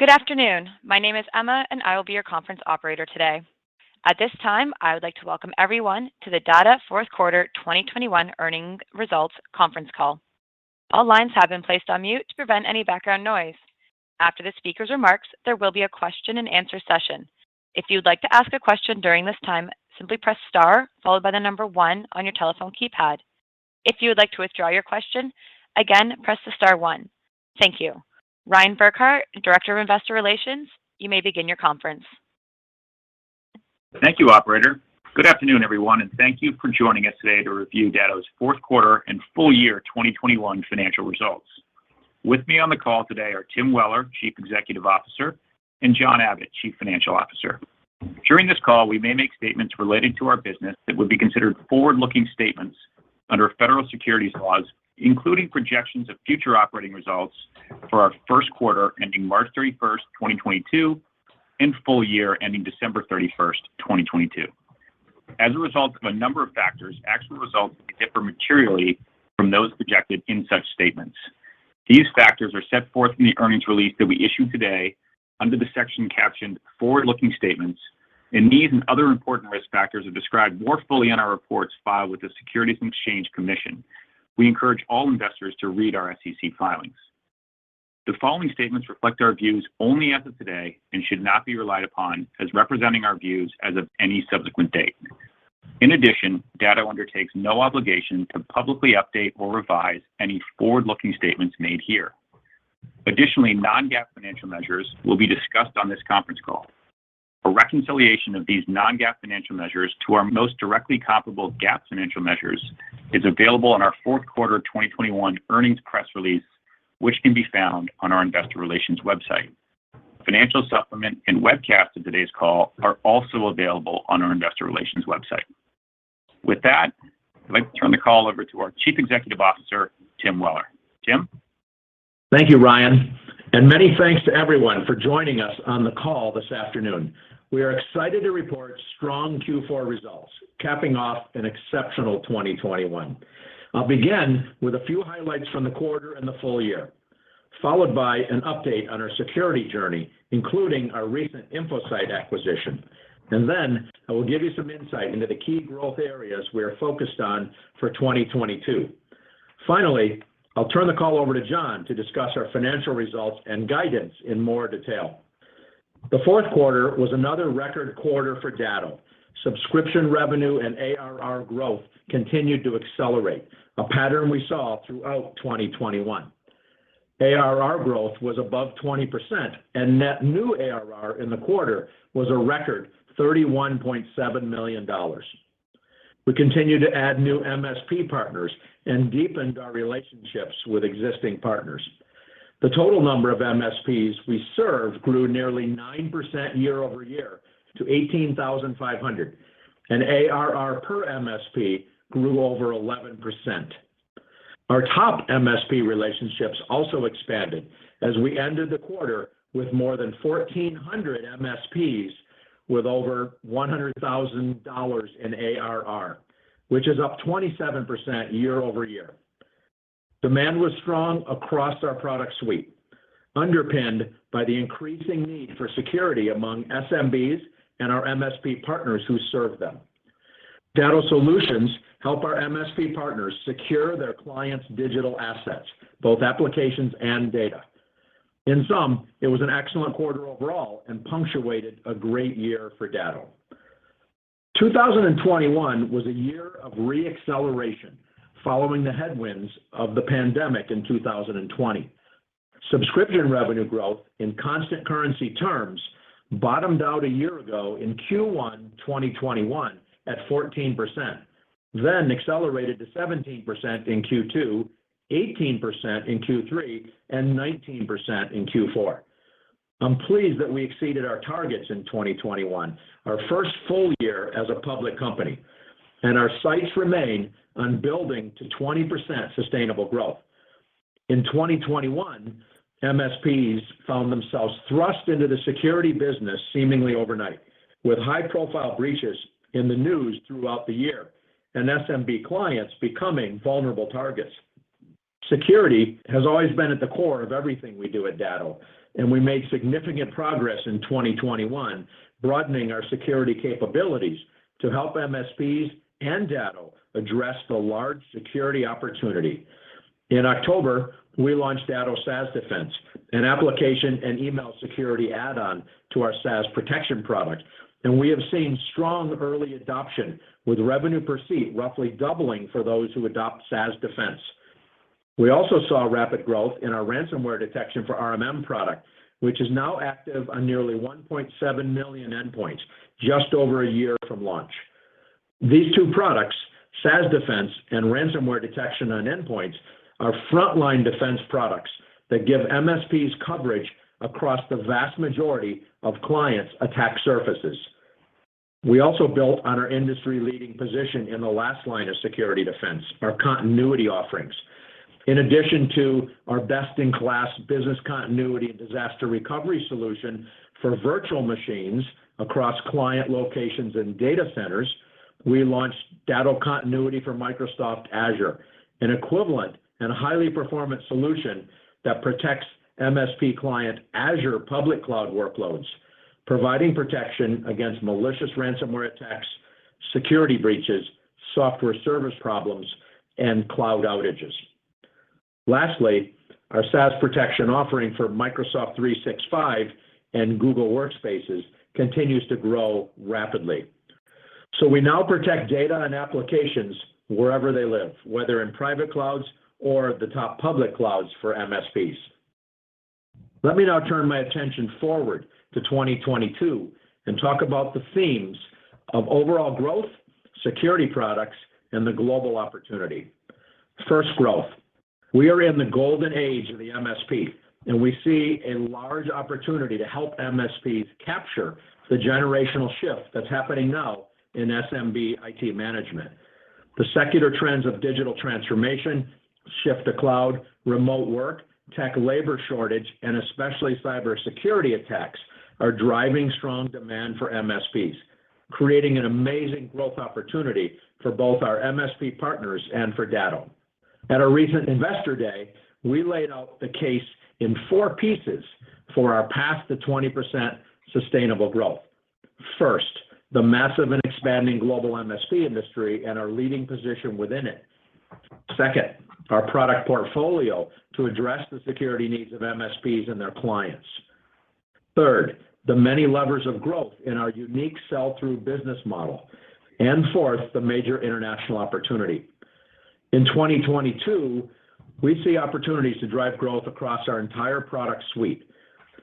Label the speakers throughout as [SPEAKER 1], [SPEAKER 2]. [SPEAKER 1] Good afternoon. My name is Emma, and I will be your conference operator today. At this time, I would like to welcome everyone to the Datto fourth quarter 2021 earnings results conference call. All lines have been placed on mute to prevent any background noise. After the speaker's remarks, there will be a question-and-answer session. If you'd like to ask a question during this time, simply press star followed by the number 1 on your telephone keypad. If you would like to withdraw your question, again, press the star 1. Thank you. Ryan Burkart, Director of Investor Relations, you may begin your conference.
[SPEAKER 2] Thank you, operator. Good afternoon, everyone, and thank you for joining us today to review Datto's fourth quarter and full year 2021 financial results. With me on the call today are Tim Weller, Chief Executive Officer, and John Abbott, Chief Financial Officer. During this call, we may make statements relating to our business that would be considered forward-looking statements under federal securities laws, including projections of future operating results for our first quarter ending March 31, 2022, and full year ending December 31, 2022. As a result of a number of factors, actual results may differ materially from those projected in such statements. These factors are set forth in the earnings release that we issued today under the section captioned "Forward Looking Statements," and these and other important risk factors are described more fully in our reports filed with the Securities and Exchange Commission. We encourage all investors to read our SEC filings. The following statements reflect our views only as of today and should not be relied upon as representing our views as of any subsequent date. In addition, Datto undertakes no obligation to publicly update or revise any forward-looking statements made here. Additionally, non-GAAP financial measures will be discussed on this conference call. A reconciliation of these non-GAAP financial measures to our most directly comparable GAAP financial measures is available in our fourth quarter 2021 earnings press release, which can be found on our investor relations website. Financial supplement and webcast of today's call are also available on our investor relations website. With that, I'd like to turn the call over to our Chief Executive Officer, Tim Weller. Tim.
[SPEAKER 3] Thank you, Ryan. Many thanks to everyone for joining us on the call this afternoon. We are excited to report strong Q4 results, capping off an exceptional 2021. I'll begin with a few highlights from the quarter and the full year, followed by an update on our security journey, including our recent Infocyte acquisition. Then I will give you some insight into the key growth areas we are focused on for 2022. Finally, I'll turn the call over to John to discuss our financial results and guidance in more detail. The fourth quarter was another record quarter for Datto. Subscription revenue and ARR growth continued to accelerate, a pattern we saw throughout 2021. ARR growth was above 20%, and net new ARR in the quarter was a record $31.7 million. We continued to add new MSP partners and deepened our relationships with existing partners. The total number of MSPs we serve grew nearly 9% year-over-year to 18,500, and ARR per MSP grew over 11%. Our top MSP relationships also expanded as we ended the quarter with more than 1,400 MSPs with over $100,000 in ARR, which is up 27% year-over-year. Demand was strong across our product suite, underpinned by the increasing need for security among SMBs and our MSP partners who serve them. Datto solutions help our MSP partners secure their clients' digital assets, both applications and data. In sum, it was an excellent quarter overall and punctuated a great year for Datto. 2021 was a year of re-acceleration following the headwinds of the pandemic in 2020. Subscription revenue growth in constant currency terms bottomed out a year ago in Q1 2021 at 14%, then accelerated to 17% in Q2, 18% in Q3, and 19% in Q4. I'm pleased that we exceeded our targets in 2021, our first full year as a public company, and our sights remain on building to 20% sustainable growth. In 2021, MSPs found themselves thrust into the security business seemingly overnight, with high-profile breaches in the news throughout the year and SMB clients becoming vulnerable targets. Security has always been at the core of everything we do at Datto, and we made significant progress in 2021, broadening our security capabilities to help MSPs and Datto address the large security opportunity. In October, we launched Datto SaaS Defense, an application and email security add-on to our SaaS Protection product, and we have seen strong early adoption, with revenue per seat roughly doubling for those who adopt SaaS Defense. We also saw rapid growth in our ransomware detection for RMM product, which is now active on nearly 1.7 million endpoints just over a year from launch. These two products, SaaS Defense and ransomware detection on endpoints, are frontline defense products that give MSPs coverage across the vast majority of clients' attack surfaces. We also built on our industry-leading position in the last line of security defense, our continuity offerings. In addition to our best-in-class business continuity and disaster recovery solution for virtual machines across client locations and data centers. We launched Datto Continuity for Microsoft Azure, an equivalent and highly performant solution that protects MSP client Azure public cloud workloads, providing protection against malicious ransomware attacks, security breaches, software service problems, and cloud outages. Lastly, our SaaS Protection offering for Microsoft 365 and Google Workspace continues to grow rapidly. We now protect data and applications wherever they live, whether in private clouds or the top public clouds for MSPs. Let me now turn my attention forward to 2022 and talk about the themes of overall growth, security products, and the global opportunity. First, growth. We are in the golden age of the MSP, and we see a large opportunity to help MSPs capture the generational shift that's happening now in SMB IT management. The secular trends of digital transformation, shift to cloud, remote work, tech labor shortage, and especially cybersecurity attacks are driving strong demand for MSPs, creating an amazing growth opportunity for both our MSP partners and for Datto. At our recent Investor Day, we laid out the case in four pieces for our path to the 20% sustainable growth. First, the massive and expanding global MSP industry and our leading position within it. Second, our product portfolio to address the security needs of MSPs and their clients. Third, the many levers of growth in our unique sell-through business model. Fourth, the major international opportunity. In 2022, we see opportunities to drive growth across our entire product suite.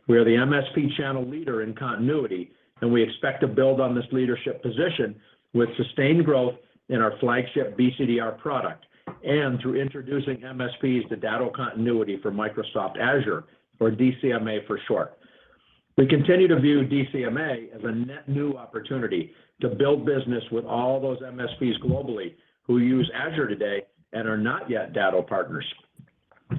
[SPEAKER 3] We are the MSP channel leader in continuity, and we expect to build on this leadership position with sustained growth in our flagship BCDR product and through introducing MSPs to Datto Continuity for Microsoft Azure, or DCMA for short. We continue to view DCMA as a net new opportunity to build business with all those MSPs globally who use Azure today and are not yet Datto partners.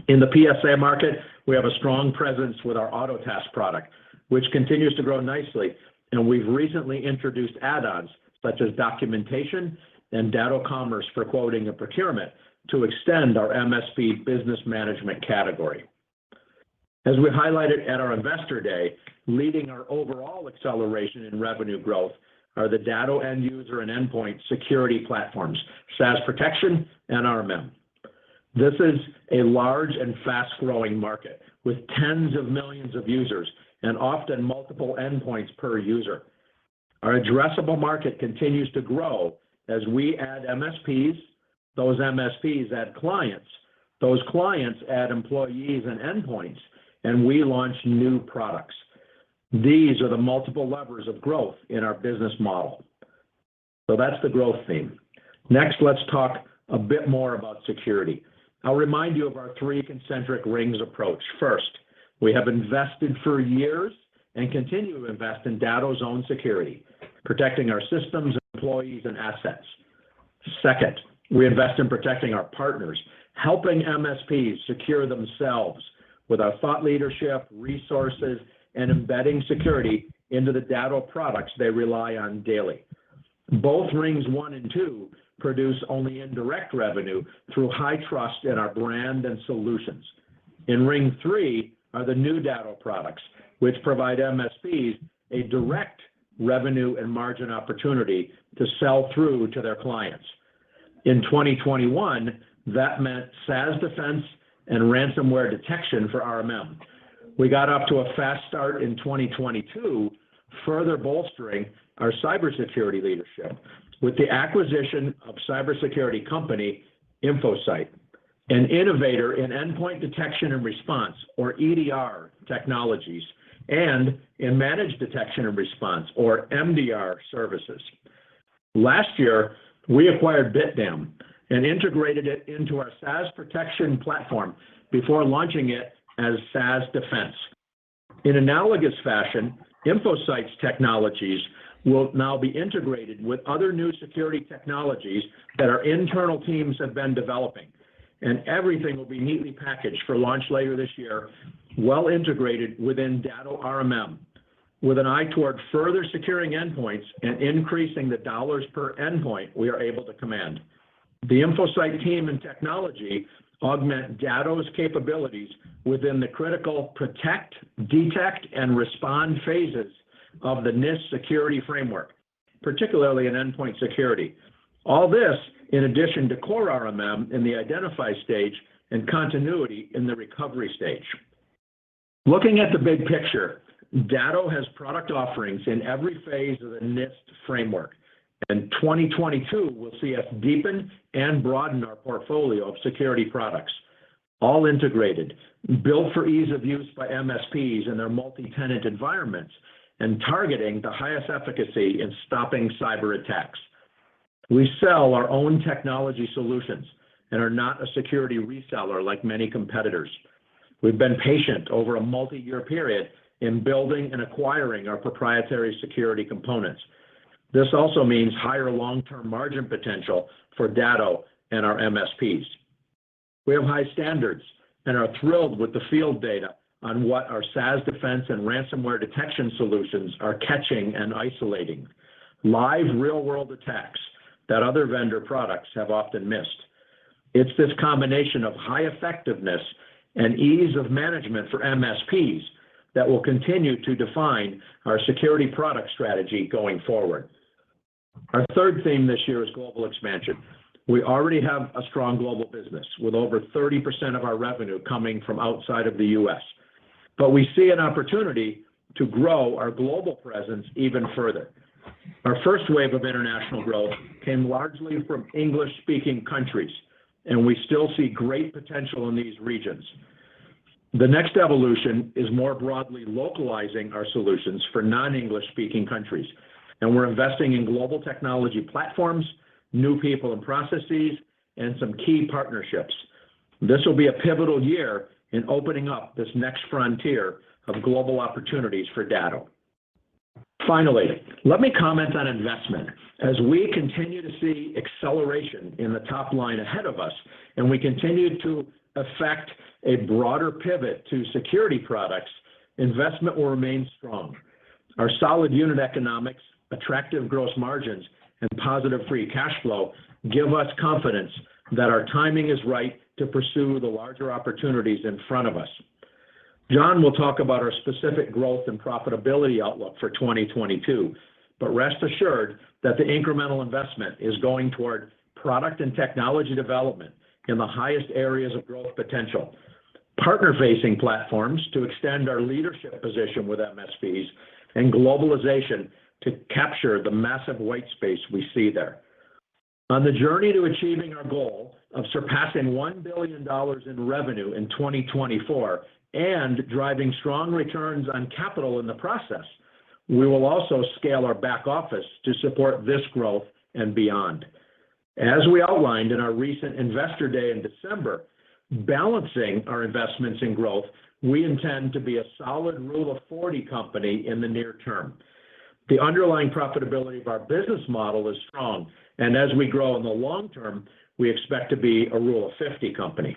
[SPEAKER 3] In the PSA market, we have a strong presence with our Autotask product, which continues to grow nicely, and we've recently introduced add-ons such as documentation and Datto Commerce for quoting and procurement to extend our MSP business management category. As we highlighted at our Investor Day, leading our overall acceleration in revenue growth are the Datto end user and endpoint security platforms, SaaS Protection and RMM. This is a large and fast-growing market with tens of millions of users and often multiple endpoints per user. Our addressable market continues to grow as we add MSPs, those MSPs add clients, those clients add employees and endpoints, and we launch new products. These are the multiple levers of growth in our business model. That's the growth theme. Next, let's talk a bit more about security. I'll remind you of our three concentric rings approach. First, we have invested for years and continue to invest in Datto's own security, protecting our systems, employees, and assets. Second, we invest in protecting our partners, helping MSPs secure themselves with our thought leadership, resources, and embedding security into the Datto products they rely on daily. Both rings one and two produce only indirect revenue through high trust in our brand and solutions. In ring three are the new Datto products, which provide MSPs a direct revenue and margin opportunity to sell through to their clients. In 2021, that meant SaaS Defense and ransomware detection for RMM. We got off to a fast start in 2022, further bolstering our cybersecurity leadership with the acquisition of cybersecurity company Infocyte, an innovator in endpoint detection and response, or EDR, technologies and in managed detection and response, or MDR, services. Last year, we acquired BitDam and integrated it into our SaaS Protection platform before launching it as SaaS Defense. In analogous fashion, Infocyte's technologies will now be integrated with other new security technologies that our internal teams have been developing, and everything will be neatly packaged for launch later this year, well integrated within Datto RMM, with an eye toward further securing endpoints and increasing the dollars per endpoint we are able to command. The Infocyte team and technology augment Datto's capabilities within the critical protect, detect, and respond phases of the NIST security framework, particularly in endpoint security. All this in addition to core RMM in the identify stage and continuity in the recovery stage. Looking at the big picture, Datto has product offerings in every phase of the NIST framework, and 2022 will see us deepen and broaden our portfolio of security products, all integrated, built for ease of use by MSPs in their multi-tenant environments, and targeting the highest efficacy in stopping cyberattacks. We sell our own technology solutions and are not a security reseller like many competitors. We've been patient over a multi-year period in building and acquiring our proprietary security components. This also means higher long-term margin potential for Datto and our MSPs. We have high standards and are thrilled with the field data on what our SaaS Defense and ransomware detection solutions are catching and isolating, live real-world attacks that other vendor products have often missed. It's this combination of high effectiveness and ease of management for MSPs that will continue to define our security product strategy going forward. Our third theme this year is global expansion. We already have a strong global business, with over 30% of our revenue coming from outside of the U.S. We see an opportunity to grow our global presence even further. Our first wave of international growth came largely from English-speaking countries, and we still see great potential in these regions. The next evolution is more broadly localizing our solutions for non-English-speaking countries, and we're investing in global technology platforms, new people and processes, and some key partnerships. This will be a pivotal year in opening up this next frontier of global opportunities for Datto. Finally, let me comment on investment. As we continue to see acceleration in the top line ahead of us, and we continue to affect a broader pivot to security products, investment will remain strong. Our solid unit economics, attractive gross margins, and positive free cash flow give us confidence that our timing is right to pursue the larger opportunities in front of us. John will talk about our specific growth and profitability outlook for 2022, but rest assured that the incremental investment is going toward product and technology development in the highest areas of growth potential, partner-facing platforms to extend our leadership position with MSPs, and globalization to capture the massive white space we see there. On the journey to achieving our goal of surpassing $1 billion in revenue in 2024 and driving strong returns on capital in the process, we will also scale our back office to support this growth and beyond. As we outlined in our recent Investor Day in December, balancing our investments in growth, we intend to be a solid Rule of 40 company in the near term. The underlying profitability of our business model is strong, and as we grow in the long term, we expect to be a Rule of 50 company.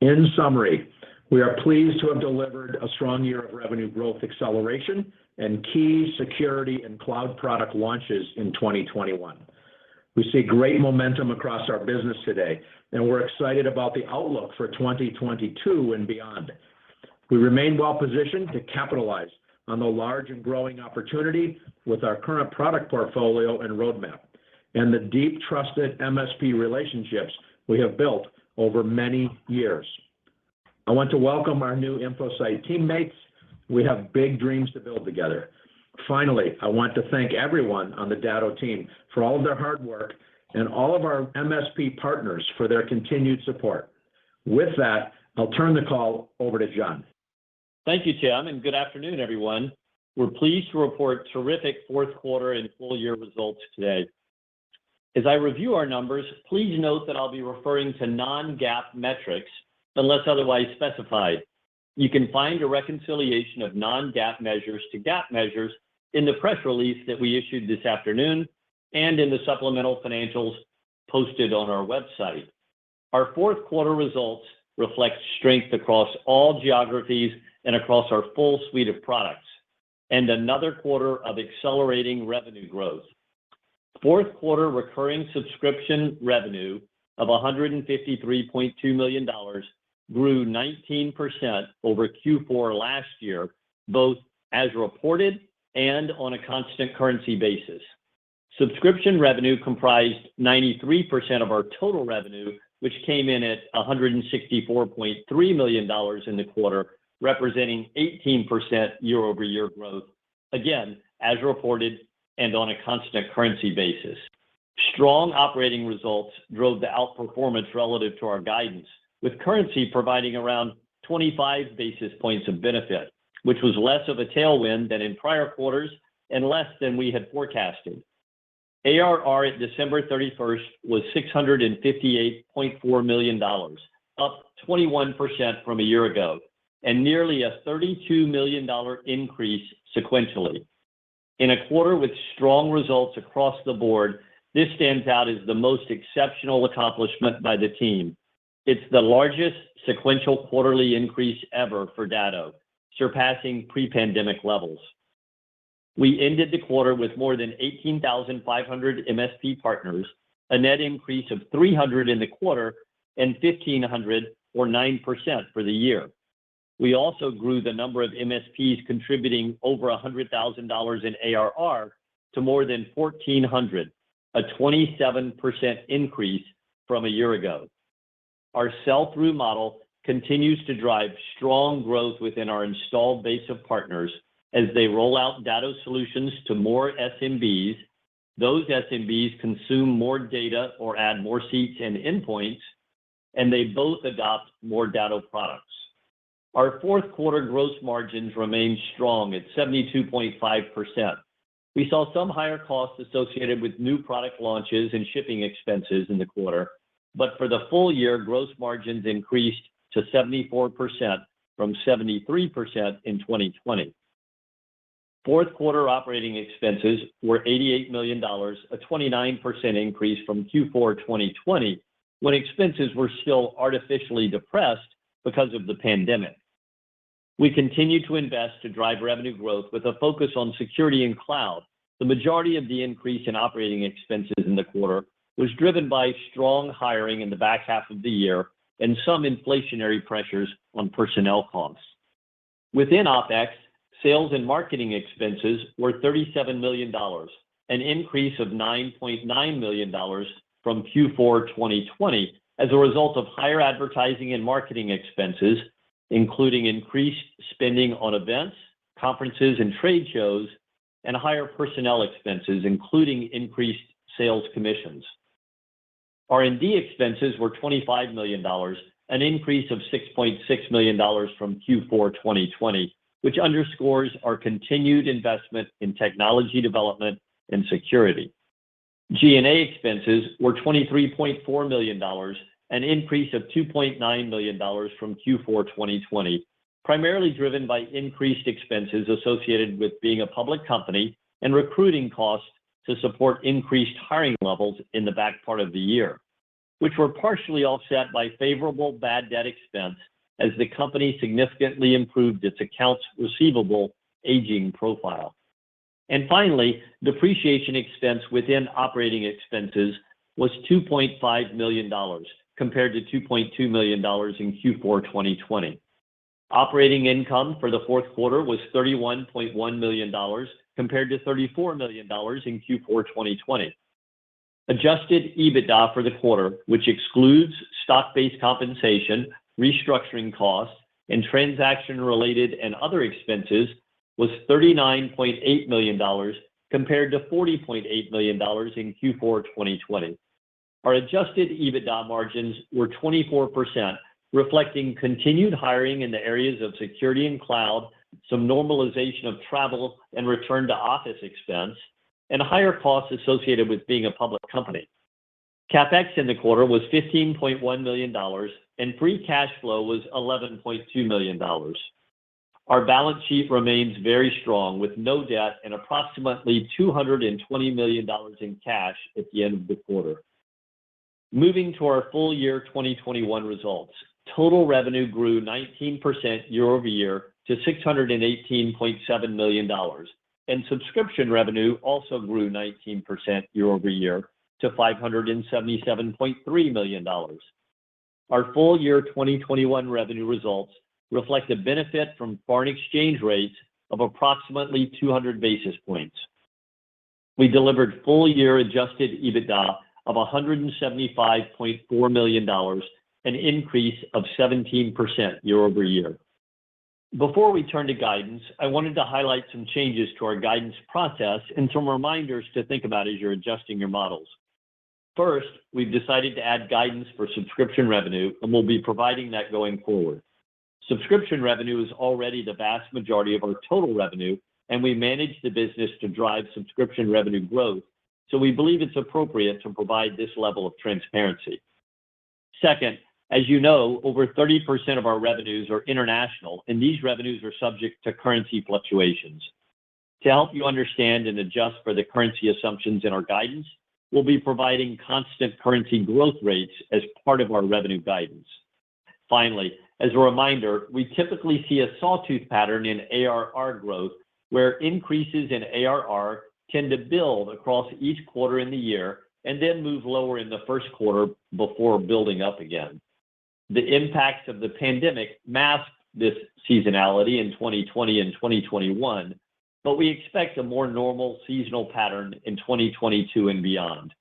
[SPEAKER 3] In summary, we are pleased to have delivered a strong year of revenue growth acceleration and key security and cloud product launches in 2021. We see great momentum across our business today, and we're excited about the outlook for 2022 and beyond. We remain well-positioned to capitalize on the large and growing opportunity with our current product portfolio and roadmap, and the deep trusted MSP relationships we have built over many years. I want to welcome our new Infocyte teammates. We have big dreams to build together. Finally, I want to thank everyone on the Datto team for all of their hard work and all of our MSP partners for their continued support. With that, I'll turn the call over to John Abbott.
[SPEAKER 4] Thank you, Tim, and good afternoon, everyone. We're pleased to report terrific fourth quarter and full year results today. As I review our numbers, please note that I'll be referring to non-GAAP metrics unless otherwise specified. You can find a reconciliation of non-GAAP measures to GAAP measures in the press release that we issued this afternoon and in the supplemental financials posted on our website. Our fourth quarter results reflect strength across all geographies and across our full suite of products, and another quarter of accelerating revenue growth. Fourth quarter recurring subscription revenue of $153.2 million grew 19% over Q4 last year, both as reported and on a constant currency basis. Subscription revenue comprised 93% of our total revenue, which came in at $164.3 million in the quarter, representing 18% year-over-year growth, again, as reported and on a constant currency basis. Strong operating results drove the outperformance relative to our guidance, with currency providing around 25 basis points of benefit, which was less of a tailwind than in prior quarters and less than we had forecasted. ARR at December 31 was $658.4 million, up 21% from a year ago, and nearly a $32 million increase sequentially. In a quarter with strong results across the board, this stands out as the most exceptional accomplishment by the team. It's the largest sequential quarterly increase ever for Datto, surpassing pre-pandemic levels. We ended the quarter with more than 18,500 MSP partners, a net increase of 300 in the quarter and 1,500, or 9%, for the year. We also grew the number of MSPs contributing over $100,000 in ARR to more than 1,400, a 27% increase from a year ago. Our sell-through model continues to drive strong growth within our installed base of partners as they roll out Datto solutions to more SMBs, those SMBs consume more data or add more seats and endpoints, and they both adopt more Datto products. Our fourth quarter gross margins remained strong at 72.5%. We saw some higher costs associated with new product launches and shipping expenses in the quarter, but for the full year, gross margins increased to 74% from 73% in 2020. Fourth quarter operating expenses were $88 million, a 29% increase from Q4 2020, when expenses were still artificially depressed because of the pandemic. We continued to invest to drive revenue growth with a focus on security and cloud. The majority of the increase in operating expenses in the quarter was driven by strong hiring in the back half of the year and some inflationary pressures on personnel costs. Within OpEx, sales and marketing expenses were $37 million, an increase of $9.9 million from Q4 2020 as a result of higher advertising and marketing expenses, including increased spending on events, conferences, and trade shows, and higher personnel expenses, including increased sales commissions. R&D expenses were $25 million, an increase of $6.6 million from Q4 2020, which underscores our continued investment in technology development and security. G&A expenses were $23.4 million, an increase of $2.9 million from Q4 2020, primarily driven by increased expenses associated with being a public company and recruiting costs to support increased hiring levels in the back part of the year, which were partially offset by favorable bad debt expense as the company significantly improved its accounts receivable aging profile. Finally, depreciation expense within operating expenses was $2.5 million, compared to $2.2 million in Q4 2020. Operating income for the fourth quarter was $31.1 million, compared to $34 million in Q4 2020. Adjusted EBITDA for the quarter, which excludes stock-based compensation, restructuring costs, and transaction-related and other expenses, was $39.8 million compared to $40.8 million in Q4 2020. Our adjusted EBITDA margins were 24%, reflecting continued hiring in the areas of security and cloud, some normalization of travel and return to office expense, and higher costs associated with being a public company. CapEx in the quarter was $15.1 million, and free cash flow was $11.2 million. Our balance sheet remains very strong, with no debt and approximately $220 million in cash at the end of the quarter. Moving to our full year 2021 results. Total revenue grew 19% year-over-year to $618.7 million, and subscription revenue also grew 19% year-over-year to $577.3 million. Our full-year 2021 revenue results reflect the benefit from foreign exchange rates of approximately 200 basis points. We delivered full-year adjusted EBITDA of $175.4 million, an increase of 17% year-over-year. Before we turn to guidance, I wanted to highlight some changes to our guidance process and some reminders to think about as you're adjusting your models. First, we've decided to add guidance for subscription revenue, and we'll be providing that going forward. Subscription revenue is already the vast majority of our total revenue, and we manage the business to drive subscription revenue growth, so we believe it's appropriate to provide this level of transparency. Second, as you know, over 30% of our revenues are international, and these revenues are subject to currency fluctuations. To help you understand and adjust for the currency assumptions in our guidance, we'll be providing constant currency growth rates as part of our revenue guidance. Finally, as a reminder, we typically see a sawtooth pattern in ARR growth, where increases in ARR tend to build across each quarter in the year and then move lower in the first quarter before building up again. The impacts of the pandemic masked this seasonality in 2020 and 2021, but we expect a more normal seasonal pattern in 2022 and beyond.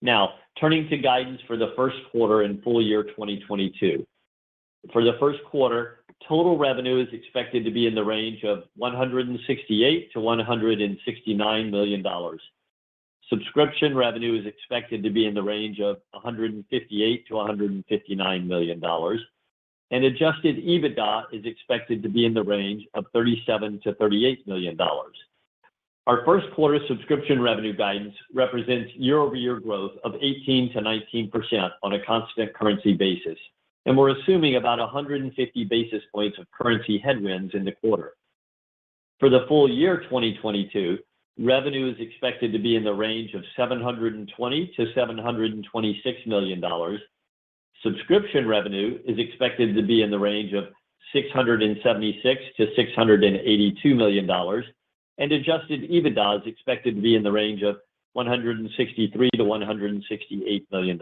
[SPEAKER 4] Now, turning to guidance for the first quarter and full year 2022. For the first quarter, total revenue is expected to be in the range of $168 million-$169 million. Subscription revenue is expected to be in the range of $158 million-$159 million. Adjusted EBITDA is expected to be in the range of $37 million-$38 million. Our first quarter subscription revenue guidance represents year-over-year growth of 18%-19% on a constant currency basis, and we're assuming about 150 basis points of currency headwinds in the quarter. For the full year 2022, revenue is expected to be in the range of $720 million-$726 million. Subscription revenue is expected to be in the range of $676 million-$682 million. Adjusted EBITDA is expected to be in the range of $163 million-$168 million.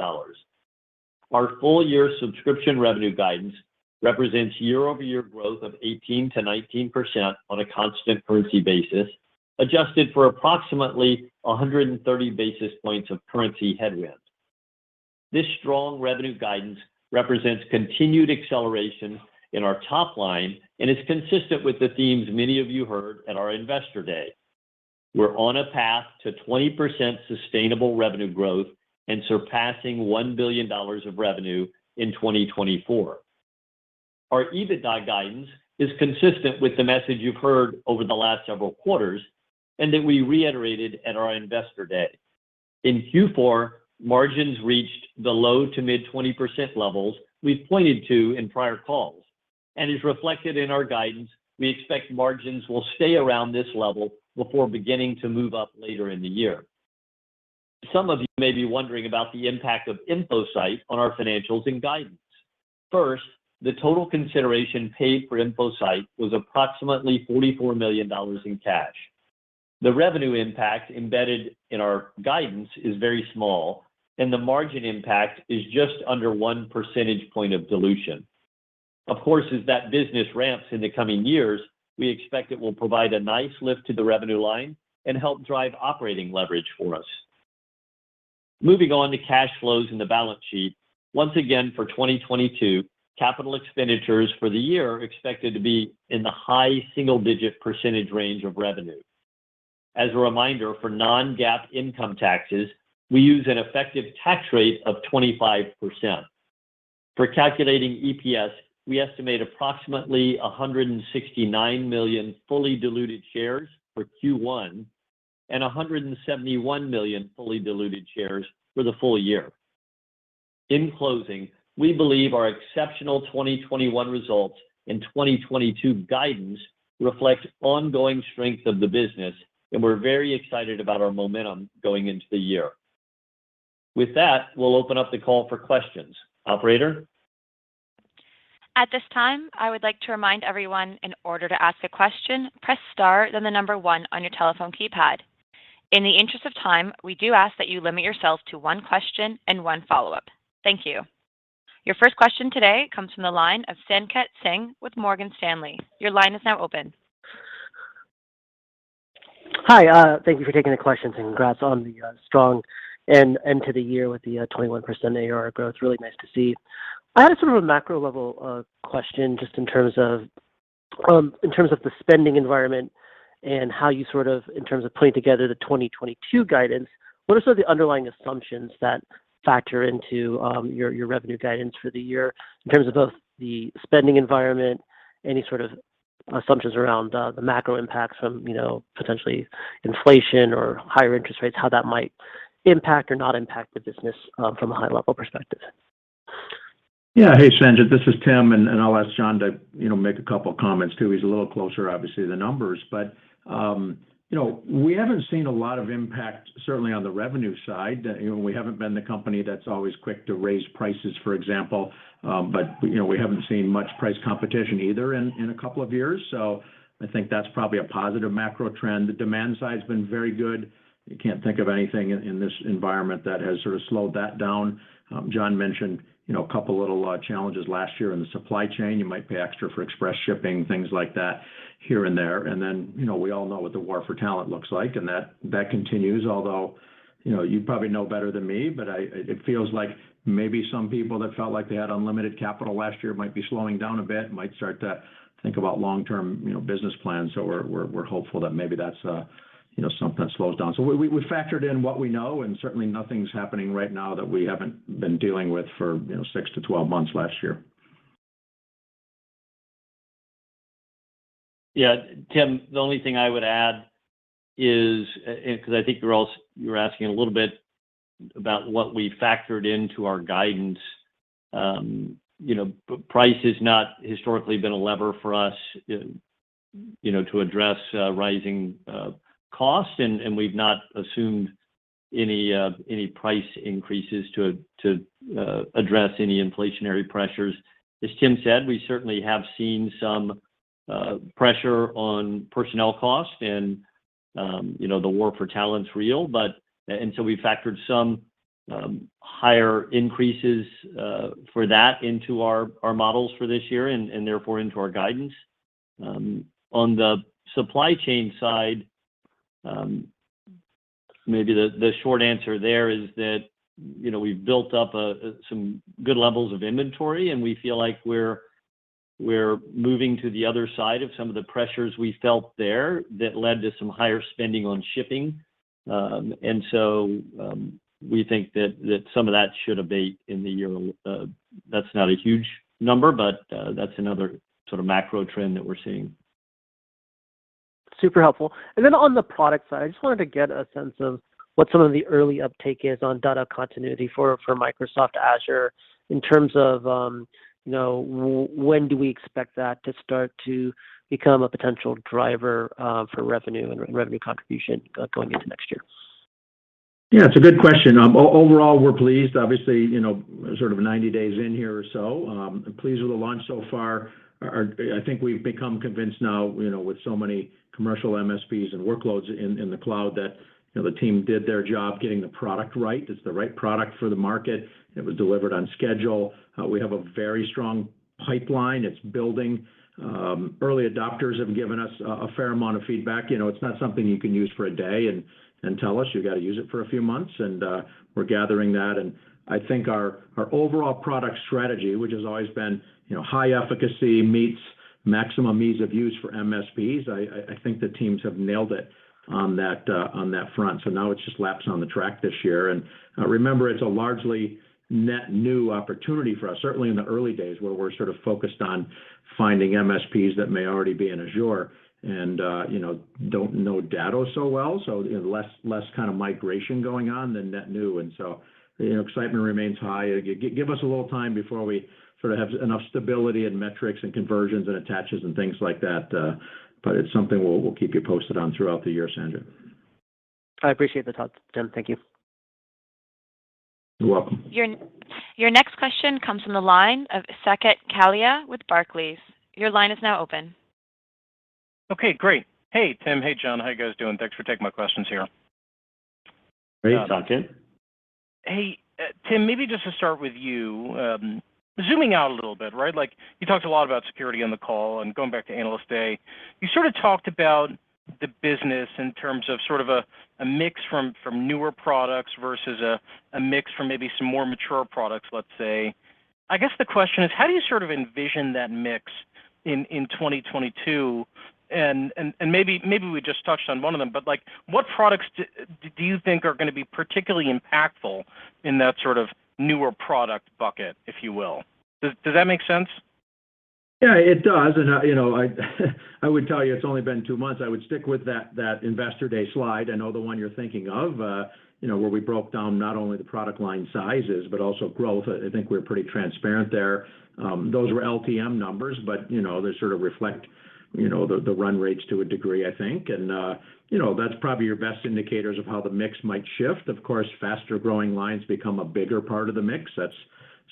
[SPEAKER 4] Our full year subscription revenue guidance represents year-over-year growth of 18%-19% on a constant currency basis, adjusted for approximately 130 basis points of currency headwinds. This strong revenue guidance represents continued acceleration in our top line and is consistent with the themes many of you heard at our Investor Day. We're on a path to 20% sustainable revenue growth and surpassing $1 billion of revenue in 2024. Our EBITDA guidance is consistent with the message you've heard over the last several quarters and that we reiterated at our Investor Day. In Q4, margins reached the low- to mid-20% levels we've pointed to in prior calls. As reflected in our guidance, we expect margins will stay around this level before beginning to move up later in the year. Some of you may be wondering about the impact of Infocyte on our financials and guidance. First, the total consideration paid for Infocyte was approximately $44 million in cash. The revenue impact embedded in our guidance is very small, and the margin impact is just under 1 percentage point of dilution. Of course, as that business ramps in the coming years, we expect it will provide a nice lift to the revenue line and help drive operating leverage for us. Moving on to cash flows in the balance sheet. Once again, for 2022, capital expenditures for the year are expected to be in the high single-digit % range of revenue. As a reminder, for non-GAAP income taxes, we use an effective tax rate of 25%. For calculating EPS, we estimate approximately 169 million fully diluted shares for Q1 and 171 million fully diluted shares for the full year. In closing, we believe our exceptional 2021 results and 2022 guidance reflects ongoing strength of the business, and we're very excited about our momentum going into the year. With that, we'll open up the call for questions. Operator?
[SPEAKER 1] At this time, I would like to remind everyone in order to ask a question, press star then 1 on your telephone keypad. In the interest of time, we do ask that you limit yourself to one question and one follow-up. Thank you. Your first question today comes from the line of Sanjit Singh with Morgan Stanley. Your line is now open.
[SPEAKER 5] Hi, thank you for taking the questions, and congrats on the strong end to the year with the 21% ARR growth. Really nice to see. I had sort of a macro level question just in terms of the spending environment and how you sort of in terms of putting together the 2022 guidance, what are some of the underlying assumptions that factor into your revenue guidance for the year in terms of both the spending environment, any sort of assumptions around the macro impacts from, you know, potentially inflation or higher interest rates, how that might impact or not impact the business from a high level perspective?
[SPEAKER 3] Yeah. Hey, Sanjit, this is Tim, and I'll ask John to, you know, make a couple comments too. He's a little closer, obviously, to the numbers. You know, we haven't seen a lot of impact certainly on the revenue side. You know, we haven't been the company that's always quick to raise prices, for example. You know, we haven't seen much price competition either in a couple of years, so I think that's probably a positive macro trend. The demand side's been very good. I can't think of anything in this environment that has sort of slowed that down. John mentioned, you know, a couple little challenges last year in the supply chain. You might pay extra for express shipping, things like that here and there. Then, you know, we all know what the war for talent looks like, and that continues. Although, you know, you probably know better than me, but it feels like maybe some people that felt like they had unlimited capital last year might be slowing down a bit, might start to think about long-term, you know, business plans. We're hopeful that maybe that's, you know, something that slows down. We factored in what we know, and certainly nothing's happening right now that we haven't been dealing with for, you know, six to twelve months last year.
[SPEAKER 4] Yeah. Tim, the only thing I would add is, 'cause I think you're asking a little bit about what we factored into our guidance. You know, price has not historically been a lever for us, you know, to address rising costs, and we've not assumed any price increases to address any inflationary pressures. As Tim said, we certainly have seen some pressure on personnel costs and, you know, the war for talent's real, and so we've factored some higher increases for that into our models for this year and therefore into our guidance. On the supply chain side, maybe the short answer there is that, you know, we've built up some good levels of inventory, and we feel like we're moving to the other side of some of the pressures we felt there that led to some higher spending on shipping. We think that some of that should abate in the year. That's not a huge number, but that's another sort of macro trend that we're seeing.
[SPEAKER 5] Super helpful. Then on the product side, I just wanted to get a sense of what some of the early uptake is on Datto Continuity for Microsoft Azure in terms of, you know, when do we expect that to start to become a potential driver for revenue and revenue contribution going into next year?
[SPEAKER 3] Yeah, it's a good question. Overall, we're pleased. Obviously, you know, sort of 90 days in here or so, pleased with the launch so far. I think we've become convinced now, you know, with so many commercial MSPs and workloads in the cloud that, you know, the team did their job getting the product right. It's the right product for the market. It was delivered on schedule. We have a very strong pipeline. It's building. Early adopters have given us a fair amount of feedback. You know, it's not something you can use for a day and tell us. You gotta use it for a few months, and we're gathering that. I think our overall product strategy, which has always been, you know, high efficacy meets maximum ease of use for MSPs. I think the teams have nailed it on that front. Now it's just laps on the track this year. Remember, it's a largely net new opportunity for us, certainly in the early days, where we're sort of focused on finding MSPs that may already be in Azure and, you know, don't know Datto so well, so less kind of migration going on than net new. You know, excitement remains high. Give us a little time before we sort of have enough stability and metrics and conversions and attaches and things like that, but it's something we'll keep you posted on throughout the year, Sanjit.
[SPEAKER 5] I appreciate the thought, Tim. Thank you.
[SPEAKER 3] You're welcome.
[SPEAKER 1] Your next question comes from the line of Saket Kalia with Barclays. Your line is now open.
[SPEAKER 6] Okay. Great. Hey, Tim. Hey, John. How you guys doing? Thanks for taking my questions here.
[SPEAKER 3] Great. Saket.
[SPEAKER 6] Hey, Tim, maybe just to start with you, zooming out a little bit, right? Like, you talked a lot about security on the call, and going back to Analyst Day, you sort of talked about the business in terms of sort of a mix from newer products versus a mix from maybe some more mature products, let's say. I guess the question is, how do you sort of envision that mix in 2022? And maybe we just touched on one of them, but, like, what products do you think are gonna be particularly impactful in that sort of newer product bucket, if you will? Does that make sense?
[SPEAKER 3] Yeah, it does. I would tell you it's only been two months. I would stick with that Investor Day slide. I know the one you're thinking of, where we broke down not only the product line sizes, but also growth. I think we're pretty transparent there. Those were LTM numbers, but, you know, they sort of reflect, you know, the run rates to a degree, I think. You know, that's probably your best indicators of how the mix might shift. Of course, faster growing lines become a bigger part of the mix. That's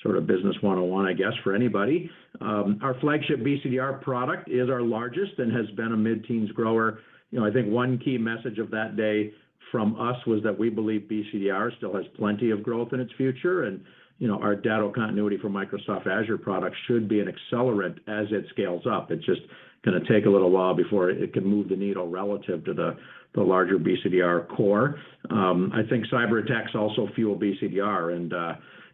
[SPEAKER 3] sort of business 101, I guess, for anybody. Our flagship BCDR product is our largest and has been a mid-teens grower. You know, I think one key message of that day from us was that we believe BCDR still has plenty of growth in its future. You know, our Datto Continuity for Microsoft Azure product should be an accelerant as it scales up. It's just gonna take a little while before it can move the needle relative to the larger BCDR core. I think cyberattacks also fuel BCDR, and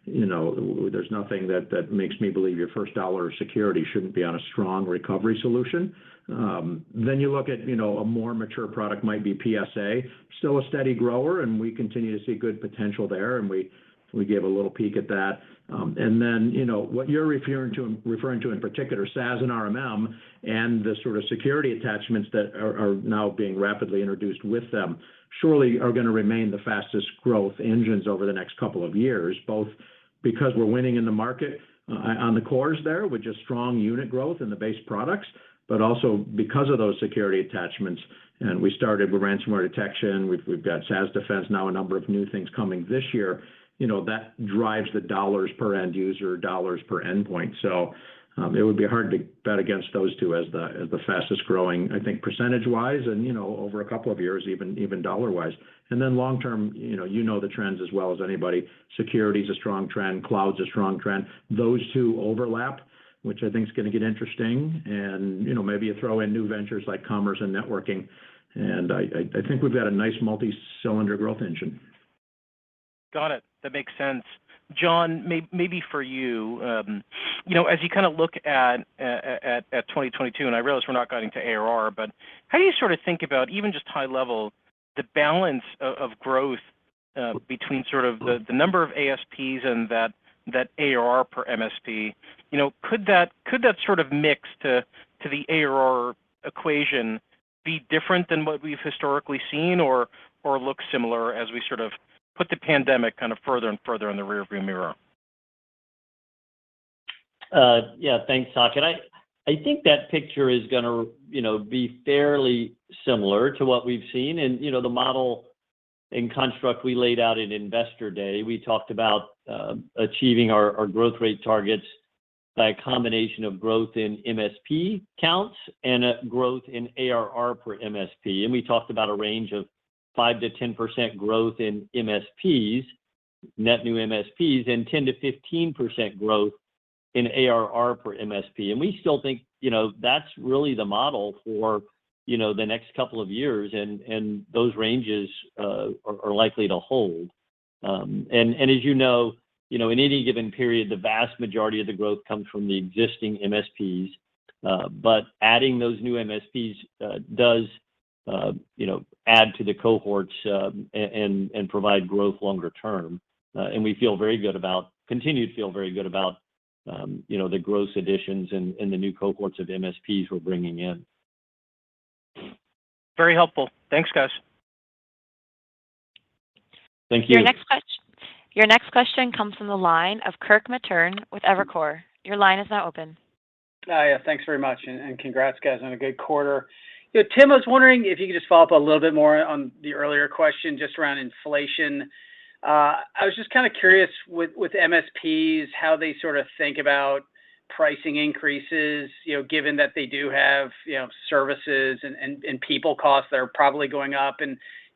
[SPEAKER 3] you know, there's nothing that makes me believe your first dollar of security shouldn't be on a strong recovery solution. You look at, you know, a more mature product might be PSA. Still a steady grower, and we gave a little peek at that. You know, what you're referring to in particular, SaaS and RMM, and the sort of security attachments that are now being rapidly introduced with them, surely are gonna remain the fastest growth engines over the next couple of years, both because we're winning in the market on the cores there, which is strong unit growth in the base products, but also because of those security attachments. We started with ransomware detection. We've got SaaS Defense now, a number of new things coming this year. You know, that drives the dollars per end user, dollars per endpoint. It would be hard to bet against those two as the fastest growing, I think percentage-wise and, you know, over a couple of years, even dollar-wise. Long term, you know the trends as well as anybody. Security's a strong trend. Cloud's a strong trend. Those two overlap, which I think is gonna get interesting. You know, maybe you throw in new ventures like commerce and networking, and I think we've got a nice multi-cylinder growth engine.
[SPEAKER 6] Got it. That makes sense. John, maybe for you know, as you kind of look at 2022, and I realize we're not guiding to ARR, but how do you sort of think about, even just high level, the balance of growth between sort of the number of ASPs and that ARR per MSP? You know, could that sort of mix to the ARR equation be different than what we've historically seen or look similar as we sort of put the pandemic kind of further and further in the rear view mirror?
[SPEAKER 4] Yeah. Thanks, Saket. I think that picture is gonna, you know, be fairly similar to what we've seen. You know, the model and construct we laid out in Investor Day, we talked about achieving our growth rate targets by a combination of growth in MSP counts and a growth in ARR per MSP. We talked about a range of 5%-10% growth in MSPs, net new MSPs, and 10%-15% growth in ARR per MSP. We still think, you know, that's really the model for, you know, the next couple of years, and those ranges are likely to hold. As you know, you know, in any given period, the vast majority of the growth comes from the existing MSPs. Adding those new MSPs does, you know, add to the cohorts and provide growth longer term. We continue to feel very good about you know, the gross additions and the new cohorts of MSPs we're bringing in.
[SPEAKER 6] Very helpful. Thanks, guys.
[SPEAKER 3] Thank you.
[SPEAKER 1] Your next question comes from the line of Kirk Materne with Evercore. Your line is now open.
[SPEAKER 7] Hi. Thanks very much, and congrats, guys, on a good quarter. You know, Tim, I was wondering if you could just follow up a little bit more on the earlier question, just around inflation. I was just kind of curious with MSPs, how they sort of think about pricing increases, you know, given that they do have, you know, services and people costs that are probably going up.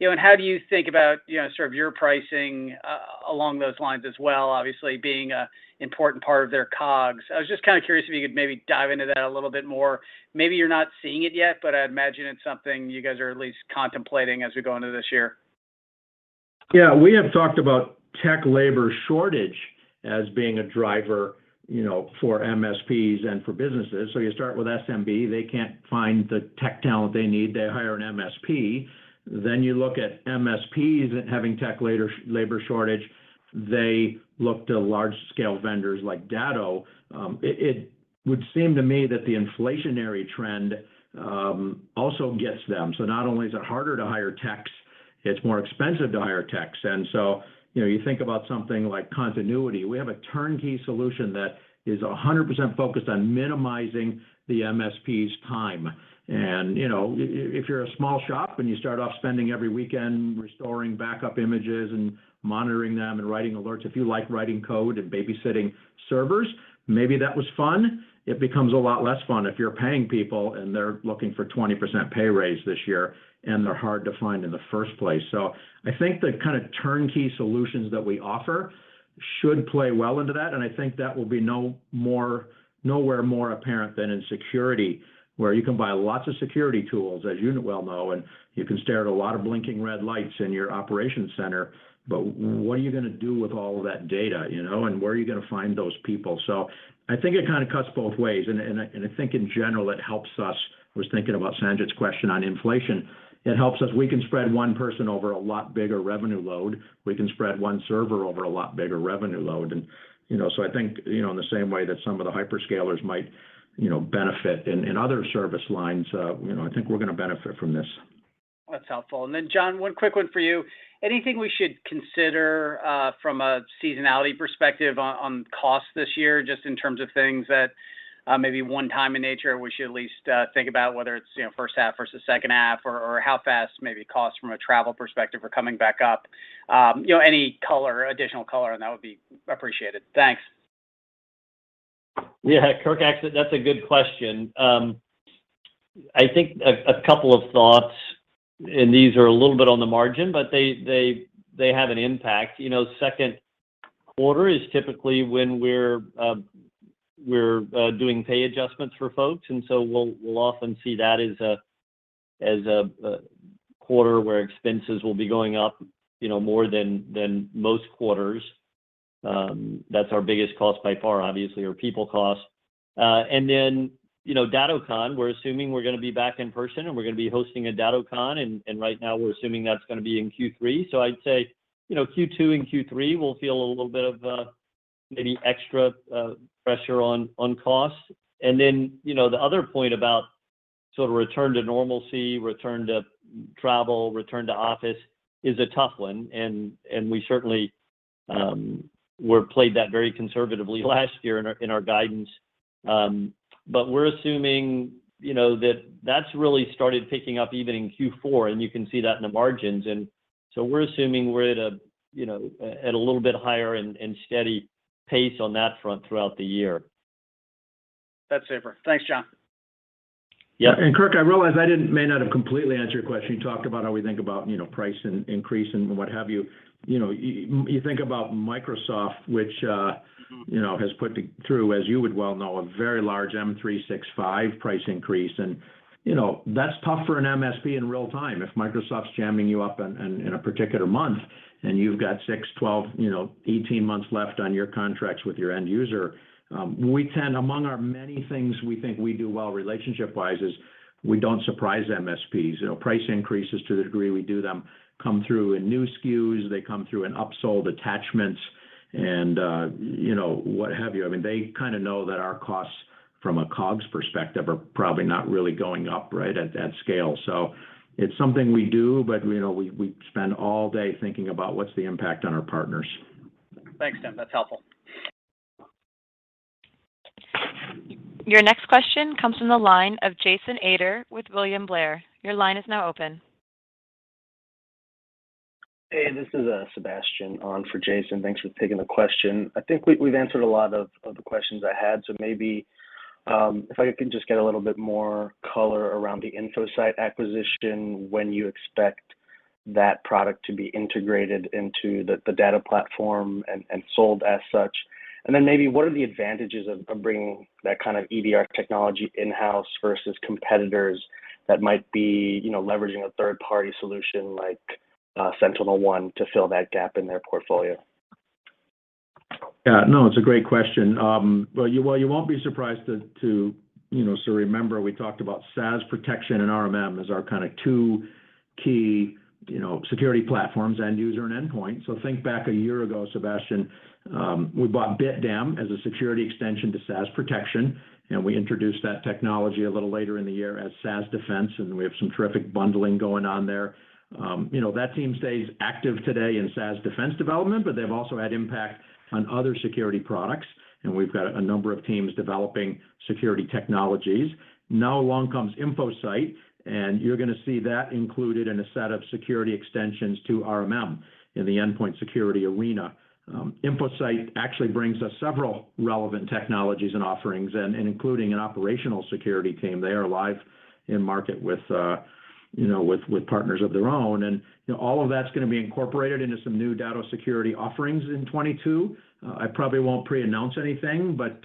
[SPEAKER 7] You know, and how do you think about, you know, sort of your pricing, along those lines as well, obviously being an important part of their COGS? I was just kind of curious if you could maybe dive into that a little bit more. Maybe you're not seeing it yet, but I'd imagine it's something you guys are at least contemplating as we go into this year.
[SPEAKER 3] Yeah, we have talked about tech labor shortage as being a driver, you know, for MSPs and for businesses. You start with SMB, they can't find the tech talent they need. They hire an MSP. Then you look at MSPs having tech labor shortage. They look to large scale vendors like Datto. It would seem to me that the inflationary trend also gets them. Not only is it harder to hire techs, it's more expensive to hire techs. You know, you think about something like continuity. We have a turnkey solution that is 100% focused on minimizing the MSPs time. You know, if you're a small shop and you start off spending every weekend restoring backup images and monitoring them and writing alerts, if you like writing code and babysitting servers, maybe that was fun. It becomes a lot less fun if you're paying people and they're looking for 20% pay raise this year, and they're hard to find in the first place. I think the kind of turnkey solutions that we offer should play well into that. I think that will be nowhere more apparent than in security, where you can buy lots of security tools, as you well know, and you can stare at a lot of blinking red lights in your operations center. What are you gonna do with all of that data, you know? Where are you gonna find those people? I think it kind of cuts both ways. I think in general it helps us. I was thinking about Sanjit's question on inflation. It helps us. We can spread one person over a lot bigger revenue load. We can spread one server over a lot bigger revenue load. You know, so I think, you know, in the same way that some of the hyperscalers might, you know, benefit in other service lines, you know, I think we're gonna benefit from this.
[SPEAKER 7] That's helpful. Then John, one quick one for you. Anything we should consider from a seasonality perspective on cost this year, just in terms of things that maybe one time in nature we should at least think about whether it's, you know, first half versus second half or how fast maybe costs from a travel perspective are coming back up. You know, any color, additional color on that would be appreciated. Thanks.
[SPEAKER 4] Yeah. Kirk, actually that's a good question. I think a couple of thoughts, and these are a little bit on the margin, but they have an impact. You know, second quarter is typically when we're doing pay adjustments for folks, and so, we'll often see that as a quarter where expenses will be going up, you know, more than most quarters. That's our biggest cost by far, obviously, our people costs. Then, you know, DattoCon, we're assuming we're gonna be back in person and we're gonna be hosting a DattoCon. Right now we're assuming that's gonna be in Q3. I'd say, you know, Q2 and Q3 we'll feel a little bit of maybe extra pressure on costs. You know, the other point about sort of return to normalcy, return to travel, return to office is a tough one. We certainly played that very conservatively last year in our guidance. We're assuming, you know, that that's really started picking up even in Q4, and you can see that in the margins. We're assuming we're at a you know little bit higher and steady pace on that front throughout the year.
[SPEAKER 7] That's super. Thanks, John.
[SPEAKER 4] Yeah.
[SPEAKER 3] Kirk, I may not have completely answered your question. You talked about how we think about price increase and what have you. You think about Microsoft, which has put through, as you would well know, a very large M365 price increase. That's tough for an MSP in real time. If Microsoft's jamming you up in a particular month and you've got six, 12, 18 months left on your contracts with your end user, among our many things we think we do well relationship wise is we don't surprise MSPs. Price increases to the degree we do them come through in new SKUs. They come through in upsold attachments and what have you. I mean, they kinda know that our costs from a COGS perspective are probably not really going up, right, at that scale. It's something we do, but, you know, we spend all day thinking about what's the impact on our partners.
[SPEAKER 7] Thanks, Tim. That's helpful.
[SPEAKER 1] Your next question comes from the line of Jason Ader with William Blair. Your line is now open.
[SPEAKER 8] Hey, this is Sebastian on for Jason. Thanks for taking the question. I think we've answered a lot of the questions I had. Maybe if I could just get a little bit more color around the Infocyte acquisition, when you expect that product to be integrated into the data platform and sold as such. Then maybe what are the advantages of bringing that kind of EDR technology in-house versus competitors that might be you know leveraging a third party solution like SentinelOne to fill that gap in their portfolio?
[SPEAKER 3] Yeah. No, it's a great question. Well, you won't be surprised to, you know, remember we talked about SaaS Protection and RMM as our kind of two key, you know, security platforms, end user and endpoint. Think back a year ago, Sebastian, we bought BitDam as a security extension to SaaS Protection, and we introduced that technology a little later in the year as SaaS Defense, and we have some terrific bundling going on there. You know, that team stays active today in SaaS Defense development, but they've also had impact on other security products, and we've got a number of teams developing security technologies. Now, along comes Infocyte, and you're gonna see that included in a set of security extensions to RMM in the endpoint security arena. Infocyte actually brings us several relevant technologies and offerings and including an operational security team. They are live in market with partners of their own. All of that's gonna be incorporated into some new Datto security offerings in 2022. I probably won't pre-announce anything, but